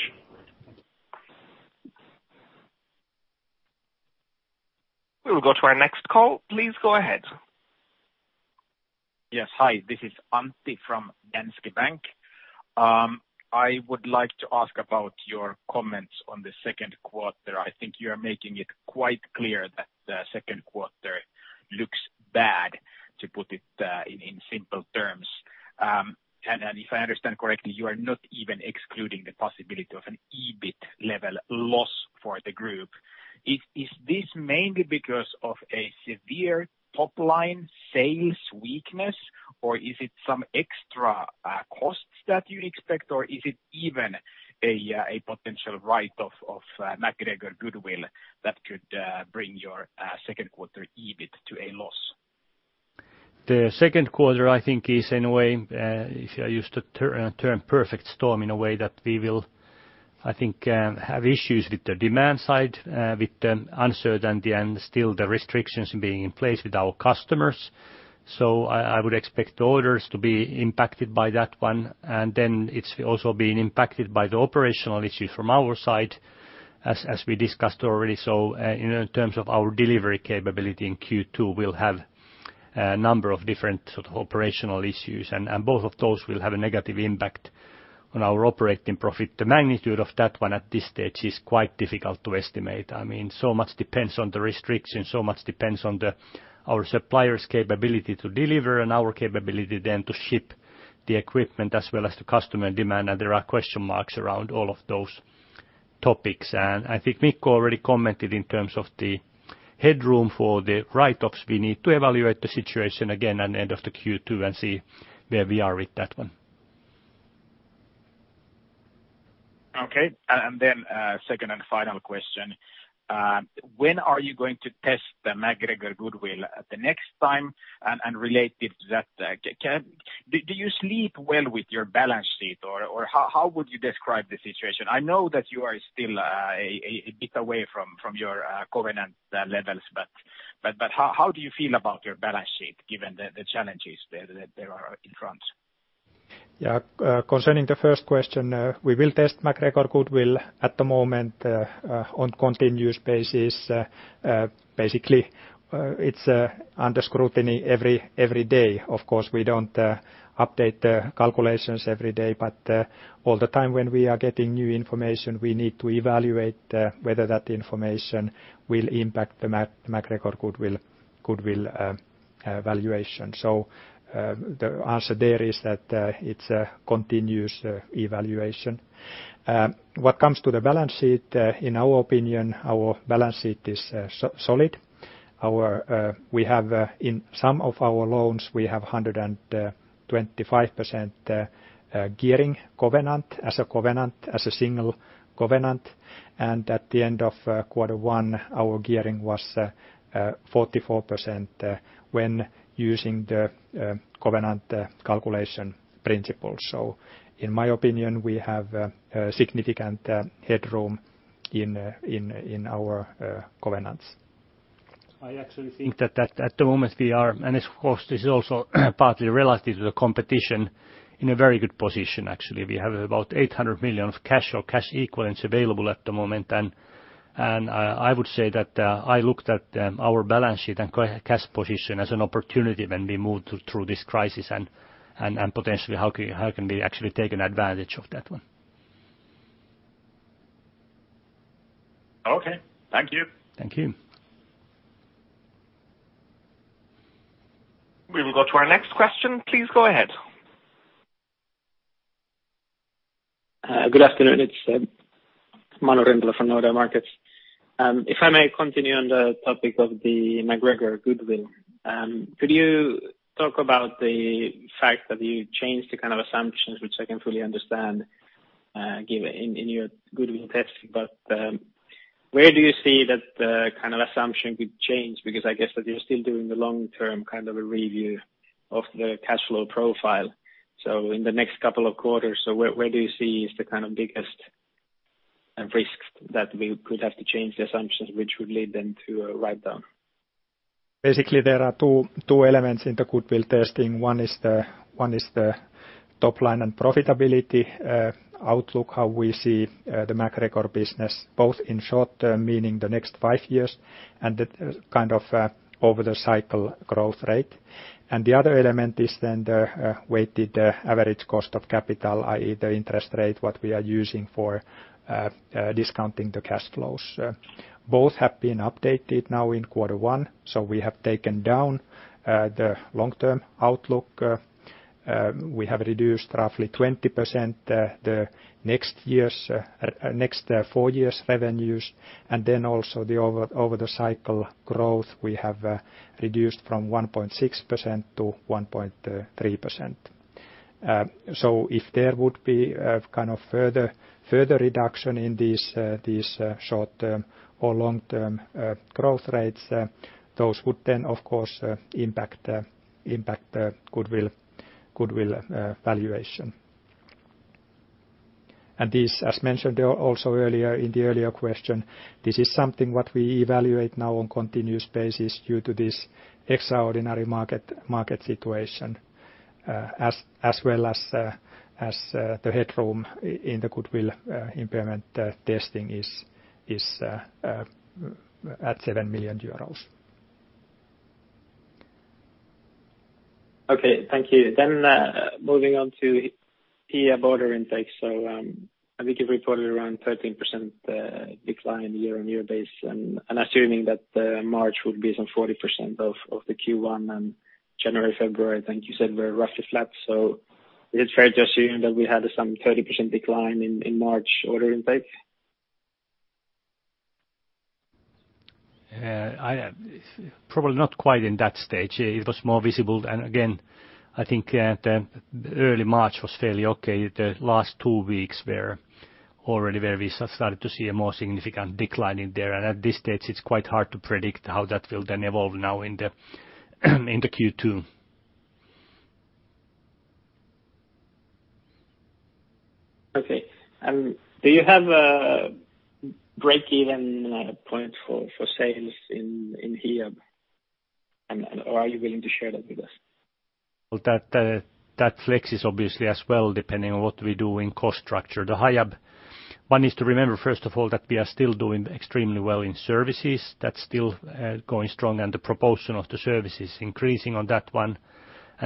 We will go to our next call. Please go ahead. Yes. Hi, this is Antti from Danske Bank. I would like to ask about your comments on the second quarter. I think you're making it quite clear that the second quarter looks bad, to put it in simple terms. If I understand correctly, you are not even excluding the possibility of an EBIT level loss for the group. Is this mainly because of a severe top-line sales weakness, or is it some extra costs that you expect, or is it even a potential write-off of MacGregor goodwill that could bring your second quarter EBIT to a loss? The second quarter, I use the term perfect storm in a way that we will have issues with the demand side, with the uncertainty and still the restrictions being in place with our customers. I would expect orders to be impacted by that one, and then it's also being impacted by the operational issues from our side, as we discussed already. In terms of our delivery capability in Q2, we'll have a number of different operational issues, and both of those will have a negative impact on our operating profit. The magnitude of that one at this stage is quite difficult to estimate. Much depends on the restriction, so much depends on our suppliers' capability to deliver and our capability then to ship the equipment as well as the customer demand, and there are question marks around all of those topics. I think Mikko already commented in terms of the headroom for the write-offs. We need to evaluate the situation again at end of the Q2 and see where we are with that one. Okay. Second and final question. When are you going to test the MacGregor goodwill the next time, and related to that, do you sleep well with your balance sheet, or how would you describe the situation? I know that you are still a bit away from your covenant levels, how do you feel about your balance sheet given the challenges that there are in France? Yeah. Concerning the first question, we will test MacGregor goodwill at the moment on continuous basis. Basically, it's under scrutiny every day. Of course, we don't update the calculations every day, but all the time when we are getting new information, we need to evaluate whether that information will impact the MacGregor goodwill valuation. The answer there is that it's a continuous evaluation. What comes to the balance sheet, in our opinion, our balance sheet is solid. In some of our loans, we have 125% gearing covenant as a single covenant, and at the end of quarter one, our gearing was 44% when using the covenant calculation principle. In my opinion, we have a significant headroom in our covenants. I actually think that at the moment we are, and of course, this is also partly relative to the competition, in a very good position, actually. We have about 800 million of cash or cash equivalents available at the moment, and I would say that I looked at our balance sheet and cash position as an opportunity when we move through this crisis and potentially how can we actually take an advantage of that one. Okay. Thank you. Thank you. We will go to our next question. Please go ahead. Good afternoon. It's Manu Rimpelä from Nordea Markets. If I may continue on the topic of the MacGregor goodwill, could you talk about the fact that you changed the kind of assumptions, which I can fully understand, given in your goodwill testing, but where do you see that the kind of assumption could change? I guess that you're still doing the long-term kind of a review of the cash flow profile. In the next couple of quarters, where do you see is the kind of biggest risk that we could have to change the assumptions which would lead then to a write-down? Basically, there are two elements in the goodwill testing. One is the top line and profitability outlook, how we see the MacGregor business, both in short-term, meaning the next five years, and the kind of over-the-cycle growth rate. The other element is then the weighted average cost of capital, i.e., the interest rate, what we are using for discounting the cash flows. Both have been updated now in quarter one. We have taken down the long-term outlook. We have reduced roughly 20% the next four years' revenues, also the over-the-cycle growth we have reduced from 1.6% to 1.3%. If there would be a kind of further reduction in these short-term or long-term growth rates, those would then, of course, impact the goodwill Goodwill valuation. This, as mentioned also earlier in the earlier question, this is something what we evaluate now on continuous basis due to this extraordinary market situation, as well as the headroom in the goodwill impairment testing is at EUR 7 million. Okay, thank you. Moving on to Hiab order intake. I think you've reported around 13% decline year-on-year basis, and assuming that the March would be some 40% of the Q1 and January, February, I think you said were roughly flat. Is it fair to assume that we had some 30% decline in March order intake? Probably not quite in that stage. It was more visible. Again, I think the early March was fairly okay. The last two weeks were already where we started to see a more significant decline in there. At this stage, it's quite hard to predict how that will then evolve now in the Q2. Okay. Do you have a break-even point for sales in Hiab? Are you willing to share that with us? That flexes obviously as well depending on what we do in cost structure. The Hiab, one is to remember, first of all, that we are still doing extremely well in services. That's still going strong and the proportion of the service is increasing on that one.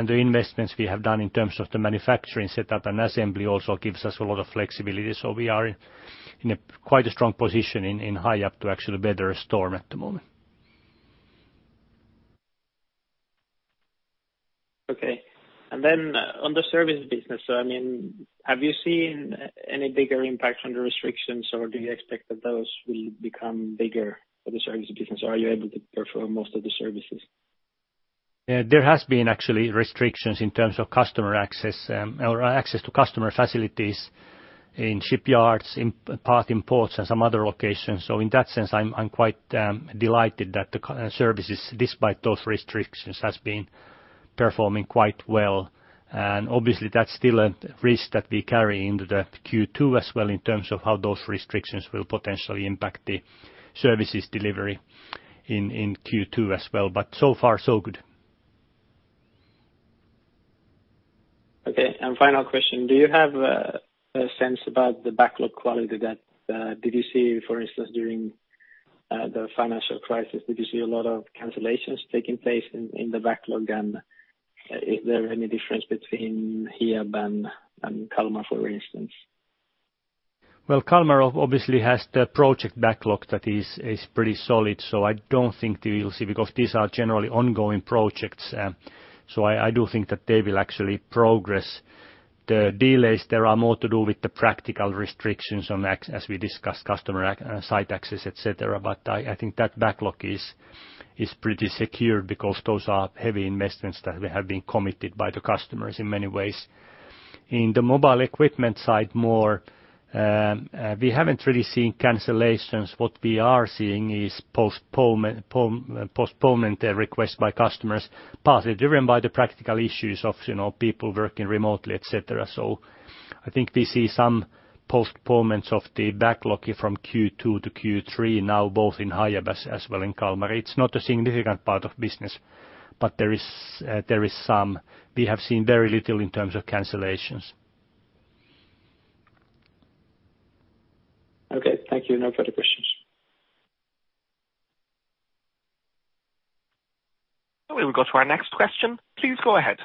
The investments we have done in terms of the manufacturing setup and assembly also gives us a lot of flexibility. We are in a quite a strong position in Hiab to actually weather a storm at the moment. Okay. On the service business, have you seen any bigger impact on the restrictions or do you expect that those will become bigger for the service business or are you able to perform most of the services? There has been actually restrictions in terms of customer access or access to customer facilities in shipyards, in part in ports and some other locations. In that sense, I'm quite delighted that the services, despite those restrictions, has been performing quite well. Obviously that's still a risk that we carry into the Q2 as well in terms of how those restrictions will potentially impact the services delivery in Q2 as well. So far so good. Okay. Final question. Do you have a sense about the backlog quality that did you see, for instance, during the financial crisis? Did you see a lot of cancellations taking place in the backlog, and is there any difference between Hiab and Kalmar, for instance? Well, Kalmar obviously has the project backlog that is pretty solid. I don't think that you'll see because these are generally ongoing projects. I do think that they will actually progress. The delays there are more to do with the practical restrictions as we discussed customer site access, et cetera. I think that backlog is pretty secure because those are heavy investments that have been committed by the customers in many ways. In the mobile equipment side more, we haven't really seen cancellations. What we are seeing is postponement request by customers, partly driven by the practical issues of people working remotely, et cetera. I think we see some postponements of the backlog from Q2-Q3 now both in Hiab as well in Kalmar. It's not a significant part of business, but there is some. We have seen very little in terms of cancellations. Okay, thank you. No further questions. We will go to our next question. Please go ahead.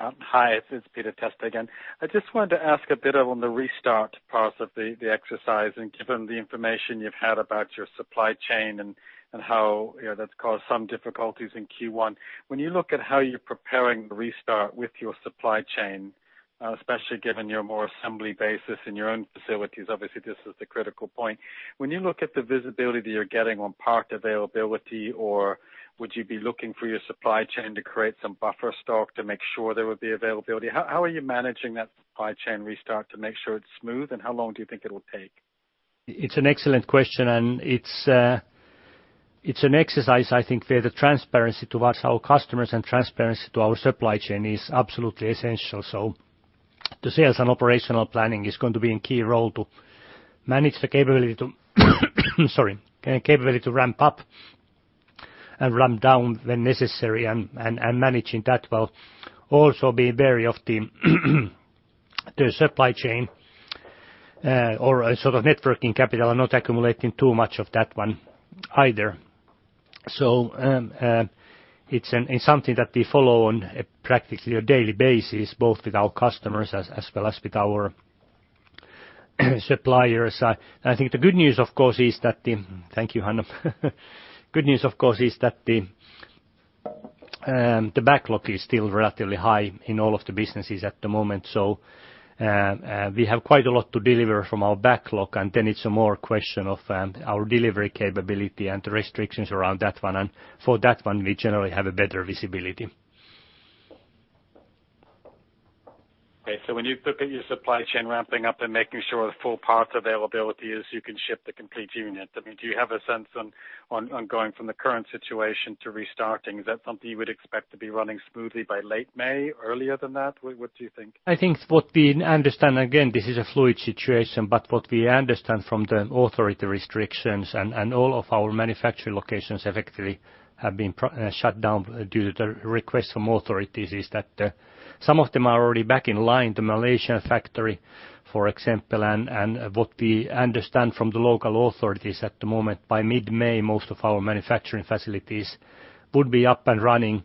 Hi, this is Peter Testa again. I just wanted to ask a bit on the restart part of the exercise and given the information you've had about your supply chain and how that's caused some difficulties in Q1. When you look at how you're preparing the restart with your supply chain, especially given your more assembly basis in your own facilities, obviously this is the critical point. When you look at the visibility that you're getting on part availability or would you be looking for your supply chain to create some buffer stock to make sure there would be availability? How are you managing that supply chain restart to make sure it's smooth and how long do you think it will take? It's an excellent question and it's an exercise, I think, where the transparency towards our customers and transparency to our supply chain is absolutely essential. The sales and operational planning is going to be in key role to manage the capability to ramp up and ramp down when necessary and managing that well also being very of the supply chain or sort of networking capital and not accumulating too much of that one either. It's something that we follow on a practically a daily basis, both with our customers as well as with our suppliers. I think the good news, of course, is that the. Thank you, Hanna. Good news, of course, is that the backlog is still relatively high in all of the businesses at the moment. We have quite a lot to deliver from our backlog, and then it's more a question of our delivery capability and the restrictions around that one. For that one, we generally have a better visibility. Okay. When you look at your supply chain ramping up and making sure the full parts availability is you can ship the complete unit, do you have a sense on going from the current situation to restarting? Is that something you would expect to be running smoothly by late May or earlier than that? What do you think? I think what we understand, again, this is a fluid situation, but what we understand from the authority restrictions and all of our manufacturing locations effectively have been shut down due to the request from authorities, is that some of them are already back in line, the Malaysian factory, for example. What we understand from the local authorities at the moment, by mid-May, most of our manufacturing facilities would be up and running.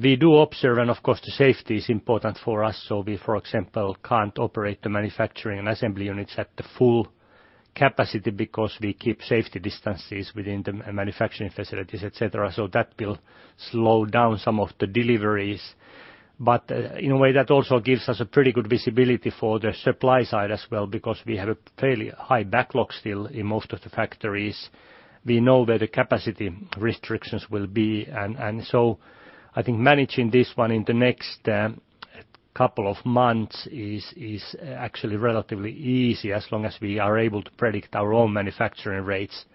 We do observe, and of course, the safety is important for us, so we, for example, can't operate the manufacturing and assembly units at the full capacity because we keep safety distances within the manufacturing facilities, et cetera. That will slow down some of the deliveries. In a way, that also gives us a pretty good visibility for the supply side as well, because we have a fairly high backlog still in most of the factories. We know where the capacity restrictions will be. I think managing this one in the next couple of months is actually relatively easy, as long as we are able to predict our own manufacturing rates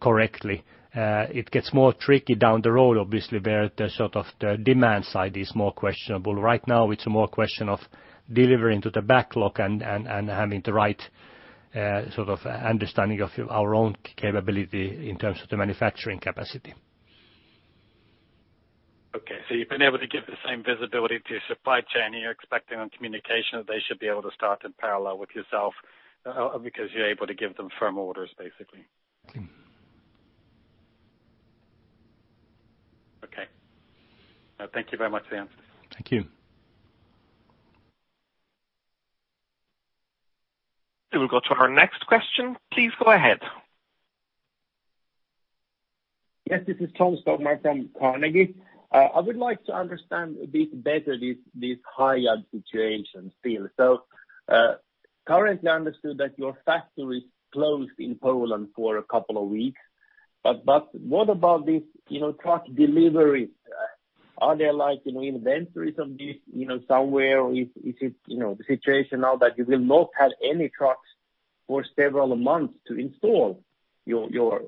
correctly. It gets more tricky down the road, obviously, where the demand side is more questionable. Right now, it's more a question of delivering to the backlog and having the right understanding of our own capability in terms of the manufacturing capacity. Okay. You've been able to give the same visibility to your supply chain, and you're expecting on communication that they should be able to start in parallel with yourself because you're able to give them firm orders, basically. Okay. Thank you very much for the answer. Thank you. We will go to our next question. Please go ahead. Yes, this is Tom Skogman from Carnegie. I would like to understand a bit better this Hiab situation still. Currently understood that your factory is closed in Poland for a couple of weeks, but what about these truck deliveries? Are there inventories of this somewhere, or is it the situation now that you will not have any trucks for several months to install your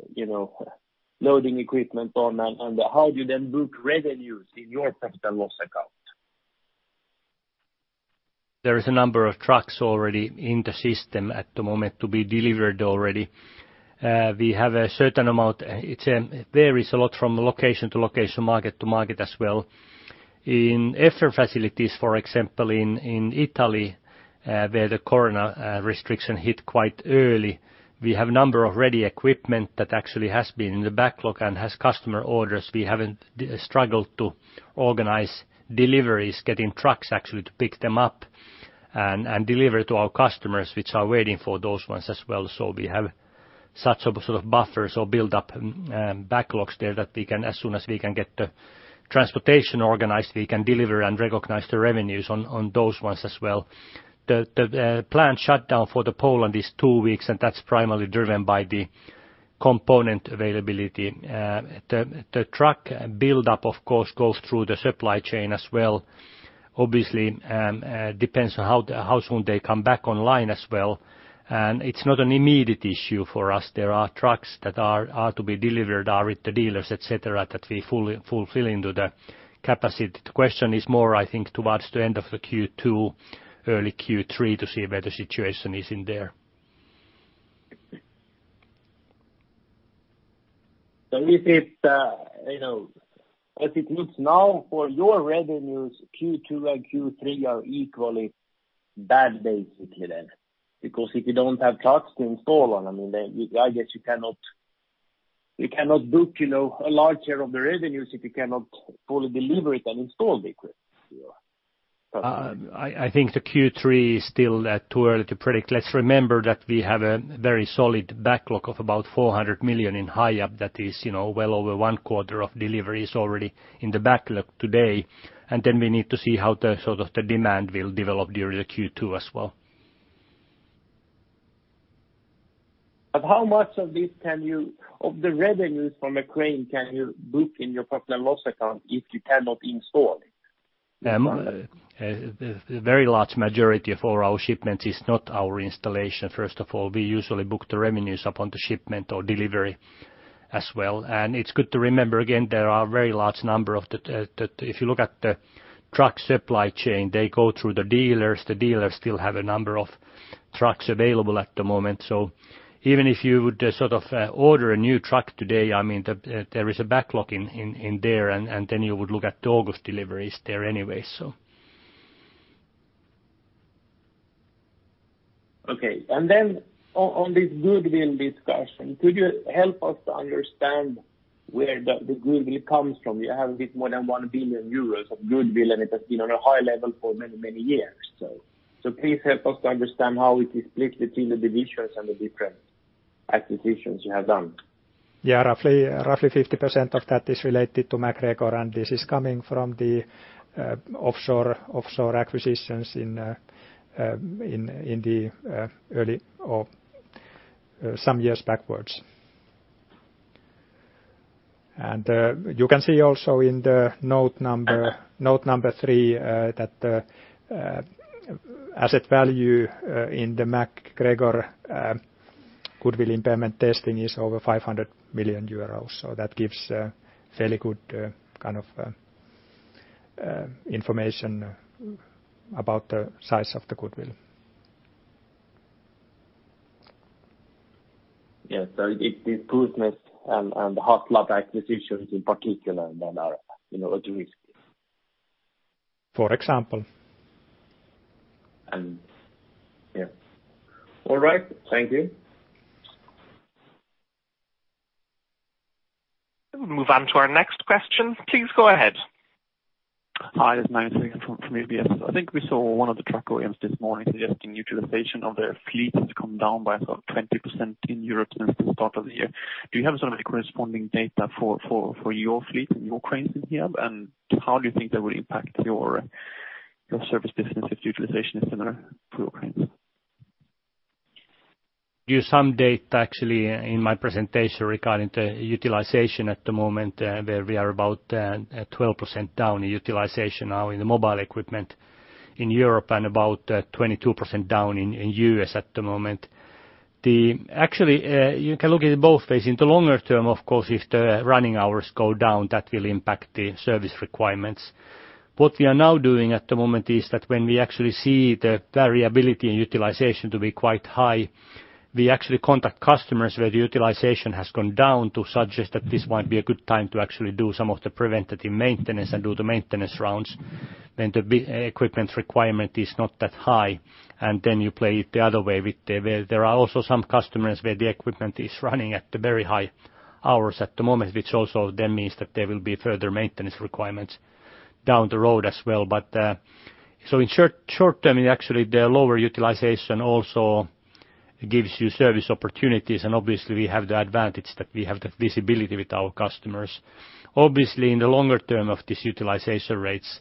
loading equipment on? How do you then book revenues in your profit and loss account? There is a number of trucks already in the system at the moment to be delivered already. We have a certain amount. It varies a lot from location to location, market to market as well. In Effer facilities, for example, in Italy, where the corona restriction hit quite early, we have a number of ready equipment that actually has been in the backlog and has customer orders. We haven't struggled to organize deliveries, getting trucks actually to pick them up and deliver to our customers, which are waiting for those ones as well. We have such sort of buffers or build-up backlogs there that as soon as we can get the transportation organized, we can deliver and recognize the revenues on those ones as well. The planned shutdown for Poland is two weeks, and that's primarily driven by the component availability. The truck build-up, of course, goes through the supply chain as well. Obviously, depends on how soon they come back online as well. It's not an immediate issue for us. There are trucks that are to be delivered, are with the dealers, et cetera, that we're fulfilling to the capacity. The question is more, I think, towards the end of the Q2, early Q3, to see where the situation is in there. As it looks now for your revenues, Q2 and Q3 are equally bad basically then. If you don't have trucks to install on, I guess you cannot book a large share of the revenues if you cannot fully deliver it and install the equipment. I think the Q3 is still too early to predict. Let's remember that we have a very solid backlog of about 400 million in Hiab. That is well over one quarter of deliveries already in the backlog today. Then we need to see how the demand will develop during the Q2 as well. How much of the revenues from a crane can you book in your profit and loss account if you cannot install it? A very large majority of our shipment is not our installation, first of all. We usually book the revenues upon the shipment or delivery as well. It's good to remember, again, there are a very large number. If you look at the truck supply chain, they go through the dealers. The dealers still have a number of trucks available at the moment. Even if you would order a new truck today, there is a backlog in there, you would look at August deliveries there anyway. Okay. On this goodwill discussion, could you help us to understand where the goodwill comes from? You have a bit more than 1 billion euros of goodwill. It has been on a high level for many, many years. Please help us to understand how it is split between the divisions and the different acquisitions you have done. Yeah, roughly 50% of that is related to MacGregor, and this is coming from the offshore acquisitions some years backwards. You can see also in the note number three that the asset value in the MacGregor goodwill impairment testing is over 500 million euros. That gives fairly good kind of information about the size of the goodwill. Yes. It's business and the HotLab acquisitions in particular then are at risk. For example. Yeah. All right. Thank you. We'll move on to our next question. Please go ahead. Hi, this is Magnus. I think we saw one of the truck OEMs this morning suggesting neutralization of their fleet to come down by about 20% in Europe for part of the year. Do you have some corresponding data for your fleet, your cranes in here How do you think that will impact your service business if utilization is similar in our program? Give some data actually in my presentation regarding the utilization at the moment, where we are about 12% down in utilization now in the mobile equipment in Europe and about 22% down in U.S. at the moment. Actually, you can look at it both ways. In the longer term, of course, if the running hours go down, that will impact the service requirements. What we are now doing at the moment is that when we actually see the variability in utilization to be quite high, we actually contact customers where the utilization has gone down to suggest that this might be a good time to actually do some of the preventative maintenance and do the maintenance rounds, then the equipment requirement is not that high, and then you play it the other way with where there are also some customers where the equipment is running at the very high hours at the moment, which also then means that there will be further maintenance requirements down the road as well. In short term actually, the lower utilization also gives you service opportunities, and obviously we have the advantage that we have the visibility with our customers. In the longer term of this utilization rates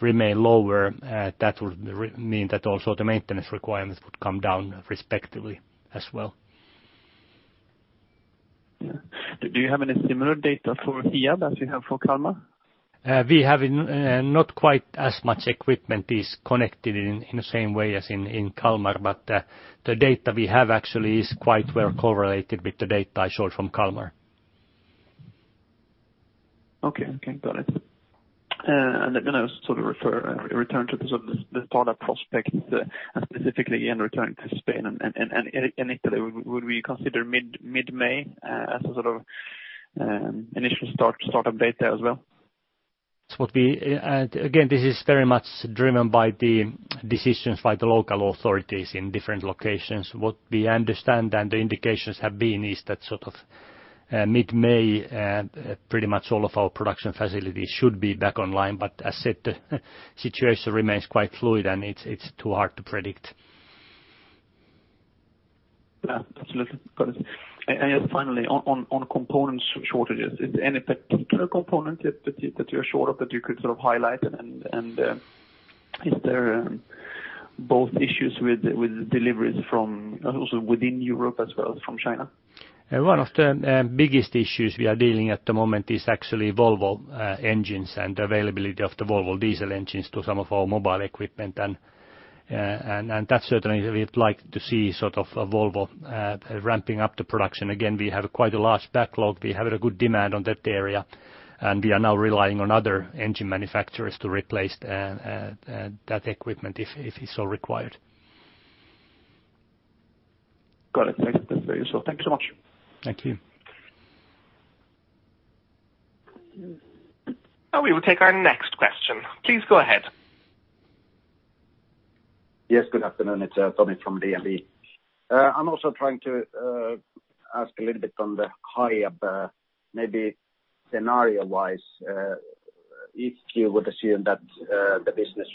remain lower that would mean that also the maintenance requirements would come down respectively as well. Yeah. Do you have any similar data for Hiab as you have for Kalmar? We have not quite as much equipment is connected in the same way as in Kalmar, but the data we have actually is quite well correlated with the data I showed from Kalmar. Okay. Got it. Let me now sort of return to the startup prospects and specifically in returning to Spain and Italy. Would we consider mid-May as a sort of initial startup date as well? Again, this is very much driven by the decisions by the local authorities in different locations. What we understand and the indications have been is that sort of mid-May pretty much all of our production facilities should be back online. As said, situation remains quite fluid, and it's too hard to predict. Yeah, absolutely. Got it. Just finally on components shortages, is there any particular component that you're short of that you could sort of highlight? Is there both issues with deliveries from also within Europe as well as from China? One of the biggest issues we are dealing at the moment is actually Volvo engines and availability of the Volvo diesel engines to some of our mobile equipment. That certainly we would like to see sort of Volvo ramping up the production again. We have quite a large backlog. We have a good demand on that area, and we are now relying on other engine manufacturers to replace that equipment if it's so required. Got it. Thank you so much. Thank you. Now we will take our next question. Please go ahead. Yes, good afternoon. It's Tommy from DNB. I am also trying to ask a little bit on the Hiab maybe scenario-wise if you would assume that the business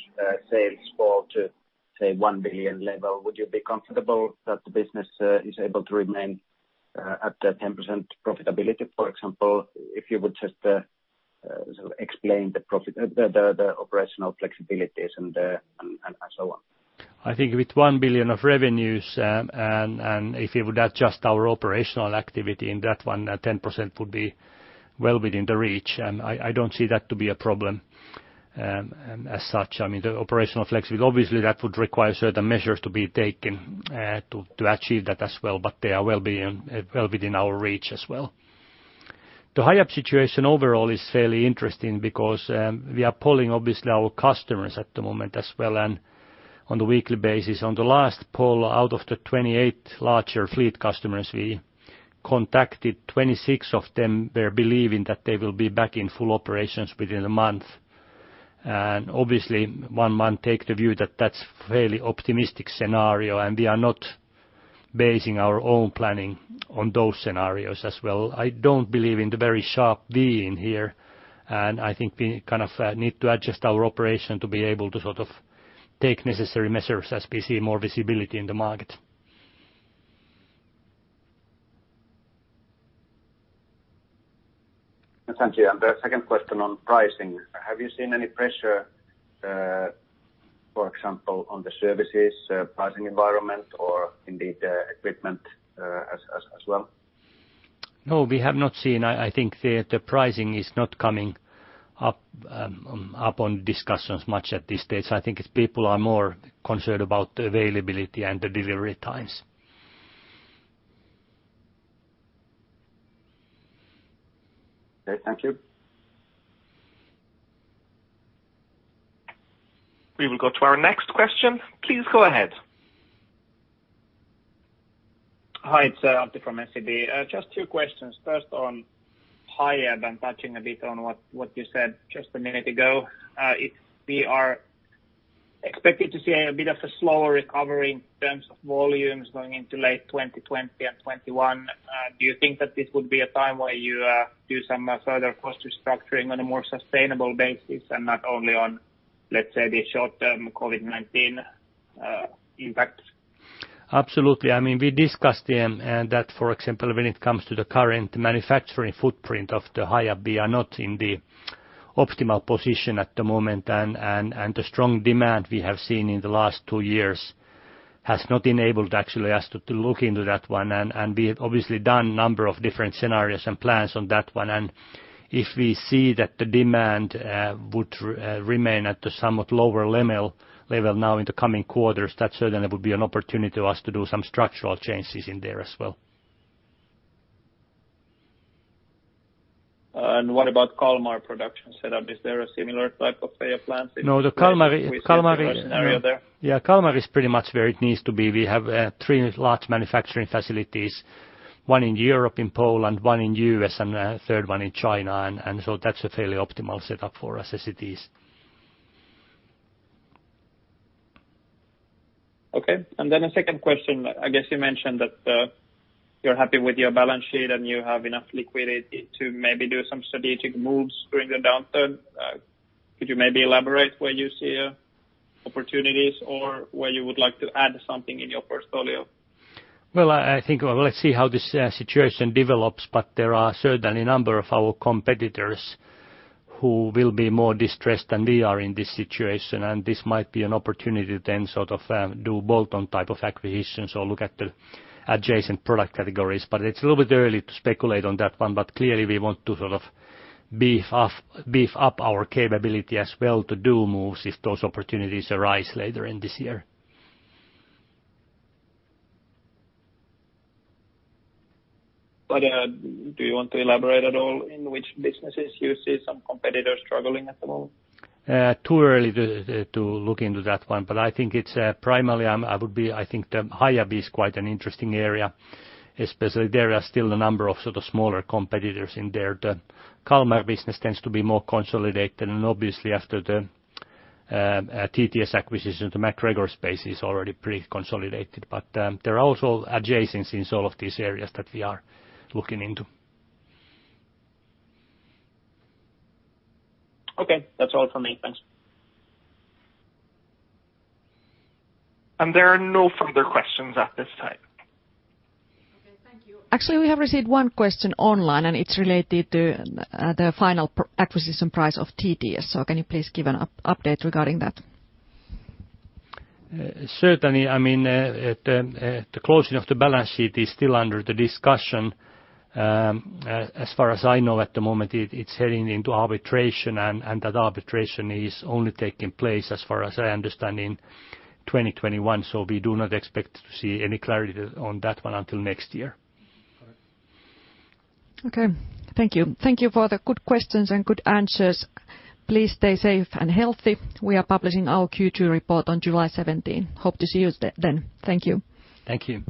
sales fall to say, 1 billion level, would you be comfortable that the business is able to remain at the 10% profitability, for example, if you would just sort of explain the operational flexibilities and so on? I think with 1 billion of revenues, if you would adjust our operational activity in that one, 10% would be well within the reach. I don't see that to be a problem as such. I mean, the operational flexibility, obviously that would require certain measures to be taken to achieve that as well, but they are well within our reach as well. The Hiab situation overall is fairly interesting because we are polling obviously our customers at the moment as well and on a weekly basis. On the last poll, out of the 28 larger fleet customers we contacted, 26 of them were believing that they will be back in full operations within a month. Obviously one might take the view that that's fairly optimistic scenario, and we are not basing our own planning on those scenarios as well. I don't believe in the very sharp V in here, and I think we kind of need to adjust our operation to be able to sort of take necessary measures as we see more visibility in the market. Thank you. The second question on pricing. Have you seen any pressure- on the services pricing environment or indeed equipment as well? No, we have not seen. I think the pricing is not coming up on discussions much at this stage. I think people are more concerned about the availability and the delivery times. Okay, thank you. We will go to our next question. Please go ahead. Hi, it's Artie from SEB. Just two questions. First on Hiab and touching a bit on what you said just a minute ago. If we are expecting to see a bit of a slower recovery in terms of volumes going into late 2020 and 2021, do you think that this would be a time where you do some further cost restructuring on a more sustainable basis and not only on, let's say, the short-term COVID-19 impact? Absolutely. We discussed that, for example, when it comes to the current manufacturing footprint of the Hiab, we are not in the optimal position at the moment, and the strong demand we have seen in the last two years has not enabled actually us to look into that one. We have obviously done a number of different scenarios and plans on that one. If we see that the demand would remain at the somewhat lower level now in the coming quarters, that certainly would be an opportunity for us to do some structural changes in there as well. What about Kalmar production setup? Is there a similar type of plan? No, the Kalmar- scenario there? Kalmar is pretty much where it needs to be. We have three large manufacturing facilities, one in Europe, in Poland, one in U.S., and a third one in China. That's a fairly optimal setup for us as it is. Okay. A second question. I guess you mentioned that you're happy with your balance sheet, and you have enough liquidity to maybe do some strategic moves during the downturn. Could you maybe elaborate where you see opportunities or where you would like to add something in your portfolio? I think let's see how this situation develops, but there are certainly a number of our competitors who will be more distressed than we are in this situation, and this might be an opportunity to then sort of do bolt-on type of acquisitions or look at the adjacent product categories. It's a little bit early to speculate on that one. Clearly, we want to sort of beef up our capability as well to do moves if those opportunities arise later in this year. Do you want to elaborate at all in which businesses you see some competitors struggling at the moment? Too early to look into that one, but I think it's primarily, I think the Hiab is quite an interesting area, especially there are still a number of sort of smaller competitors in there. The Kalmar business tends to be more consolidated, and obviously after the TTS acquisition, the MacGregor space is already pretty consolidated. But there are also adjacencies in all of these areas that we are looking into. Okay. That's all from me. Thanks. There are no further questions at this time. Okay. Thank you. Actually, we have received one question online, and it's related to the final acquisition price of TTS. Can you please give an update regarding that? Certainly. The closing of the balance sheet is still under the discussion. As far as I know at the moment, it's heading into arbitration, and that arbitration is only taking place, as far as I understand, in 2021. We do not expect to see any clarity on that one until next year. Okay. Thank you. Thank you for the good questions and good answers. Please stay safe and healthy. We are publishing our Q2 report on July 17. Hope to see you then. Thank you. Thank you.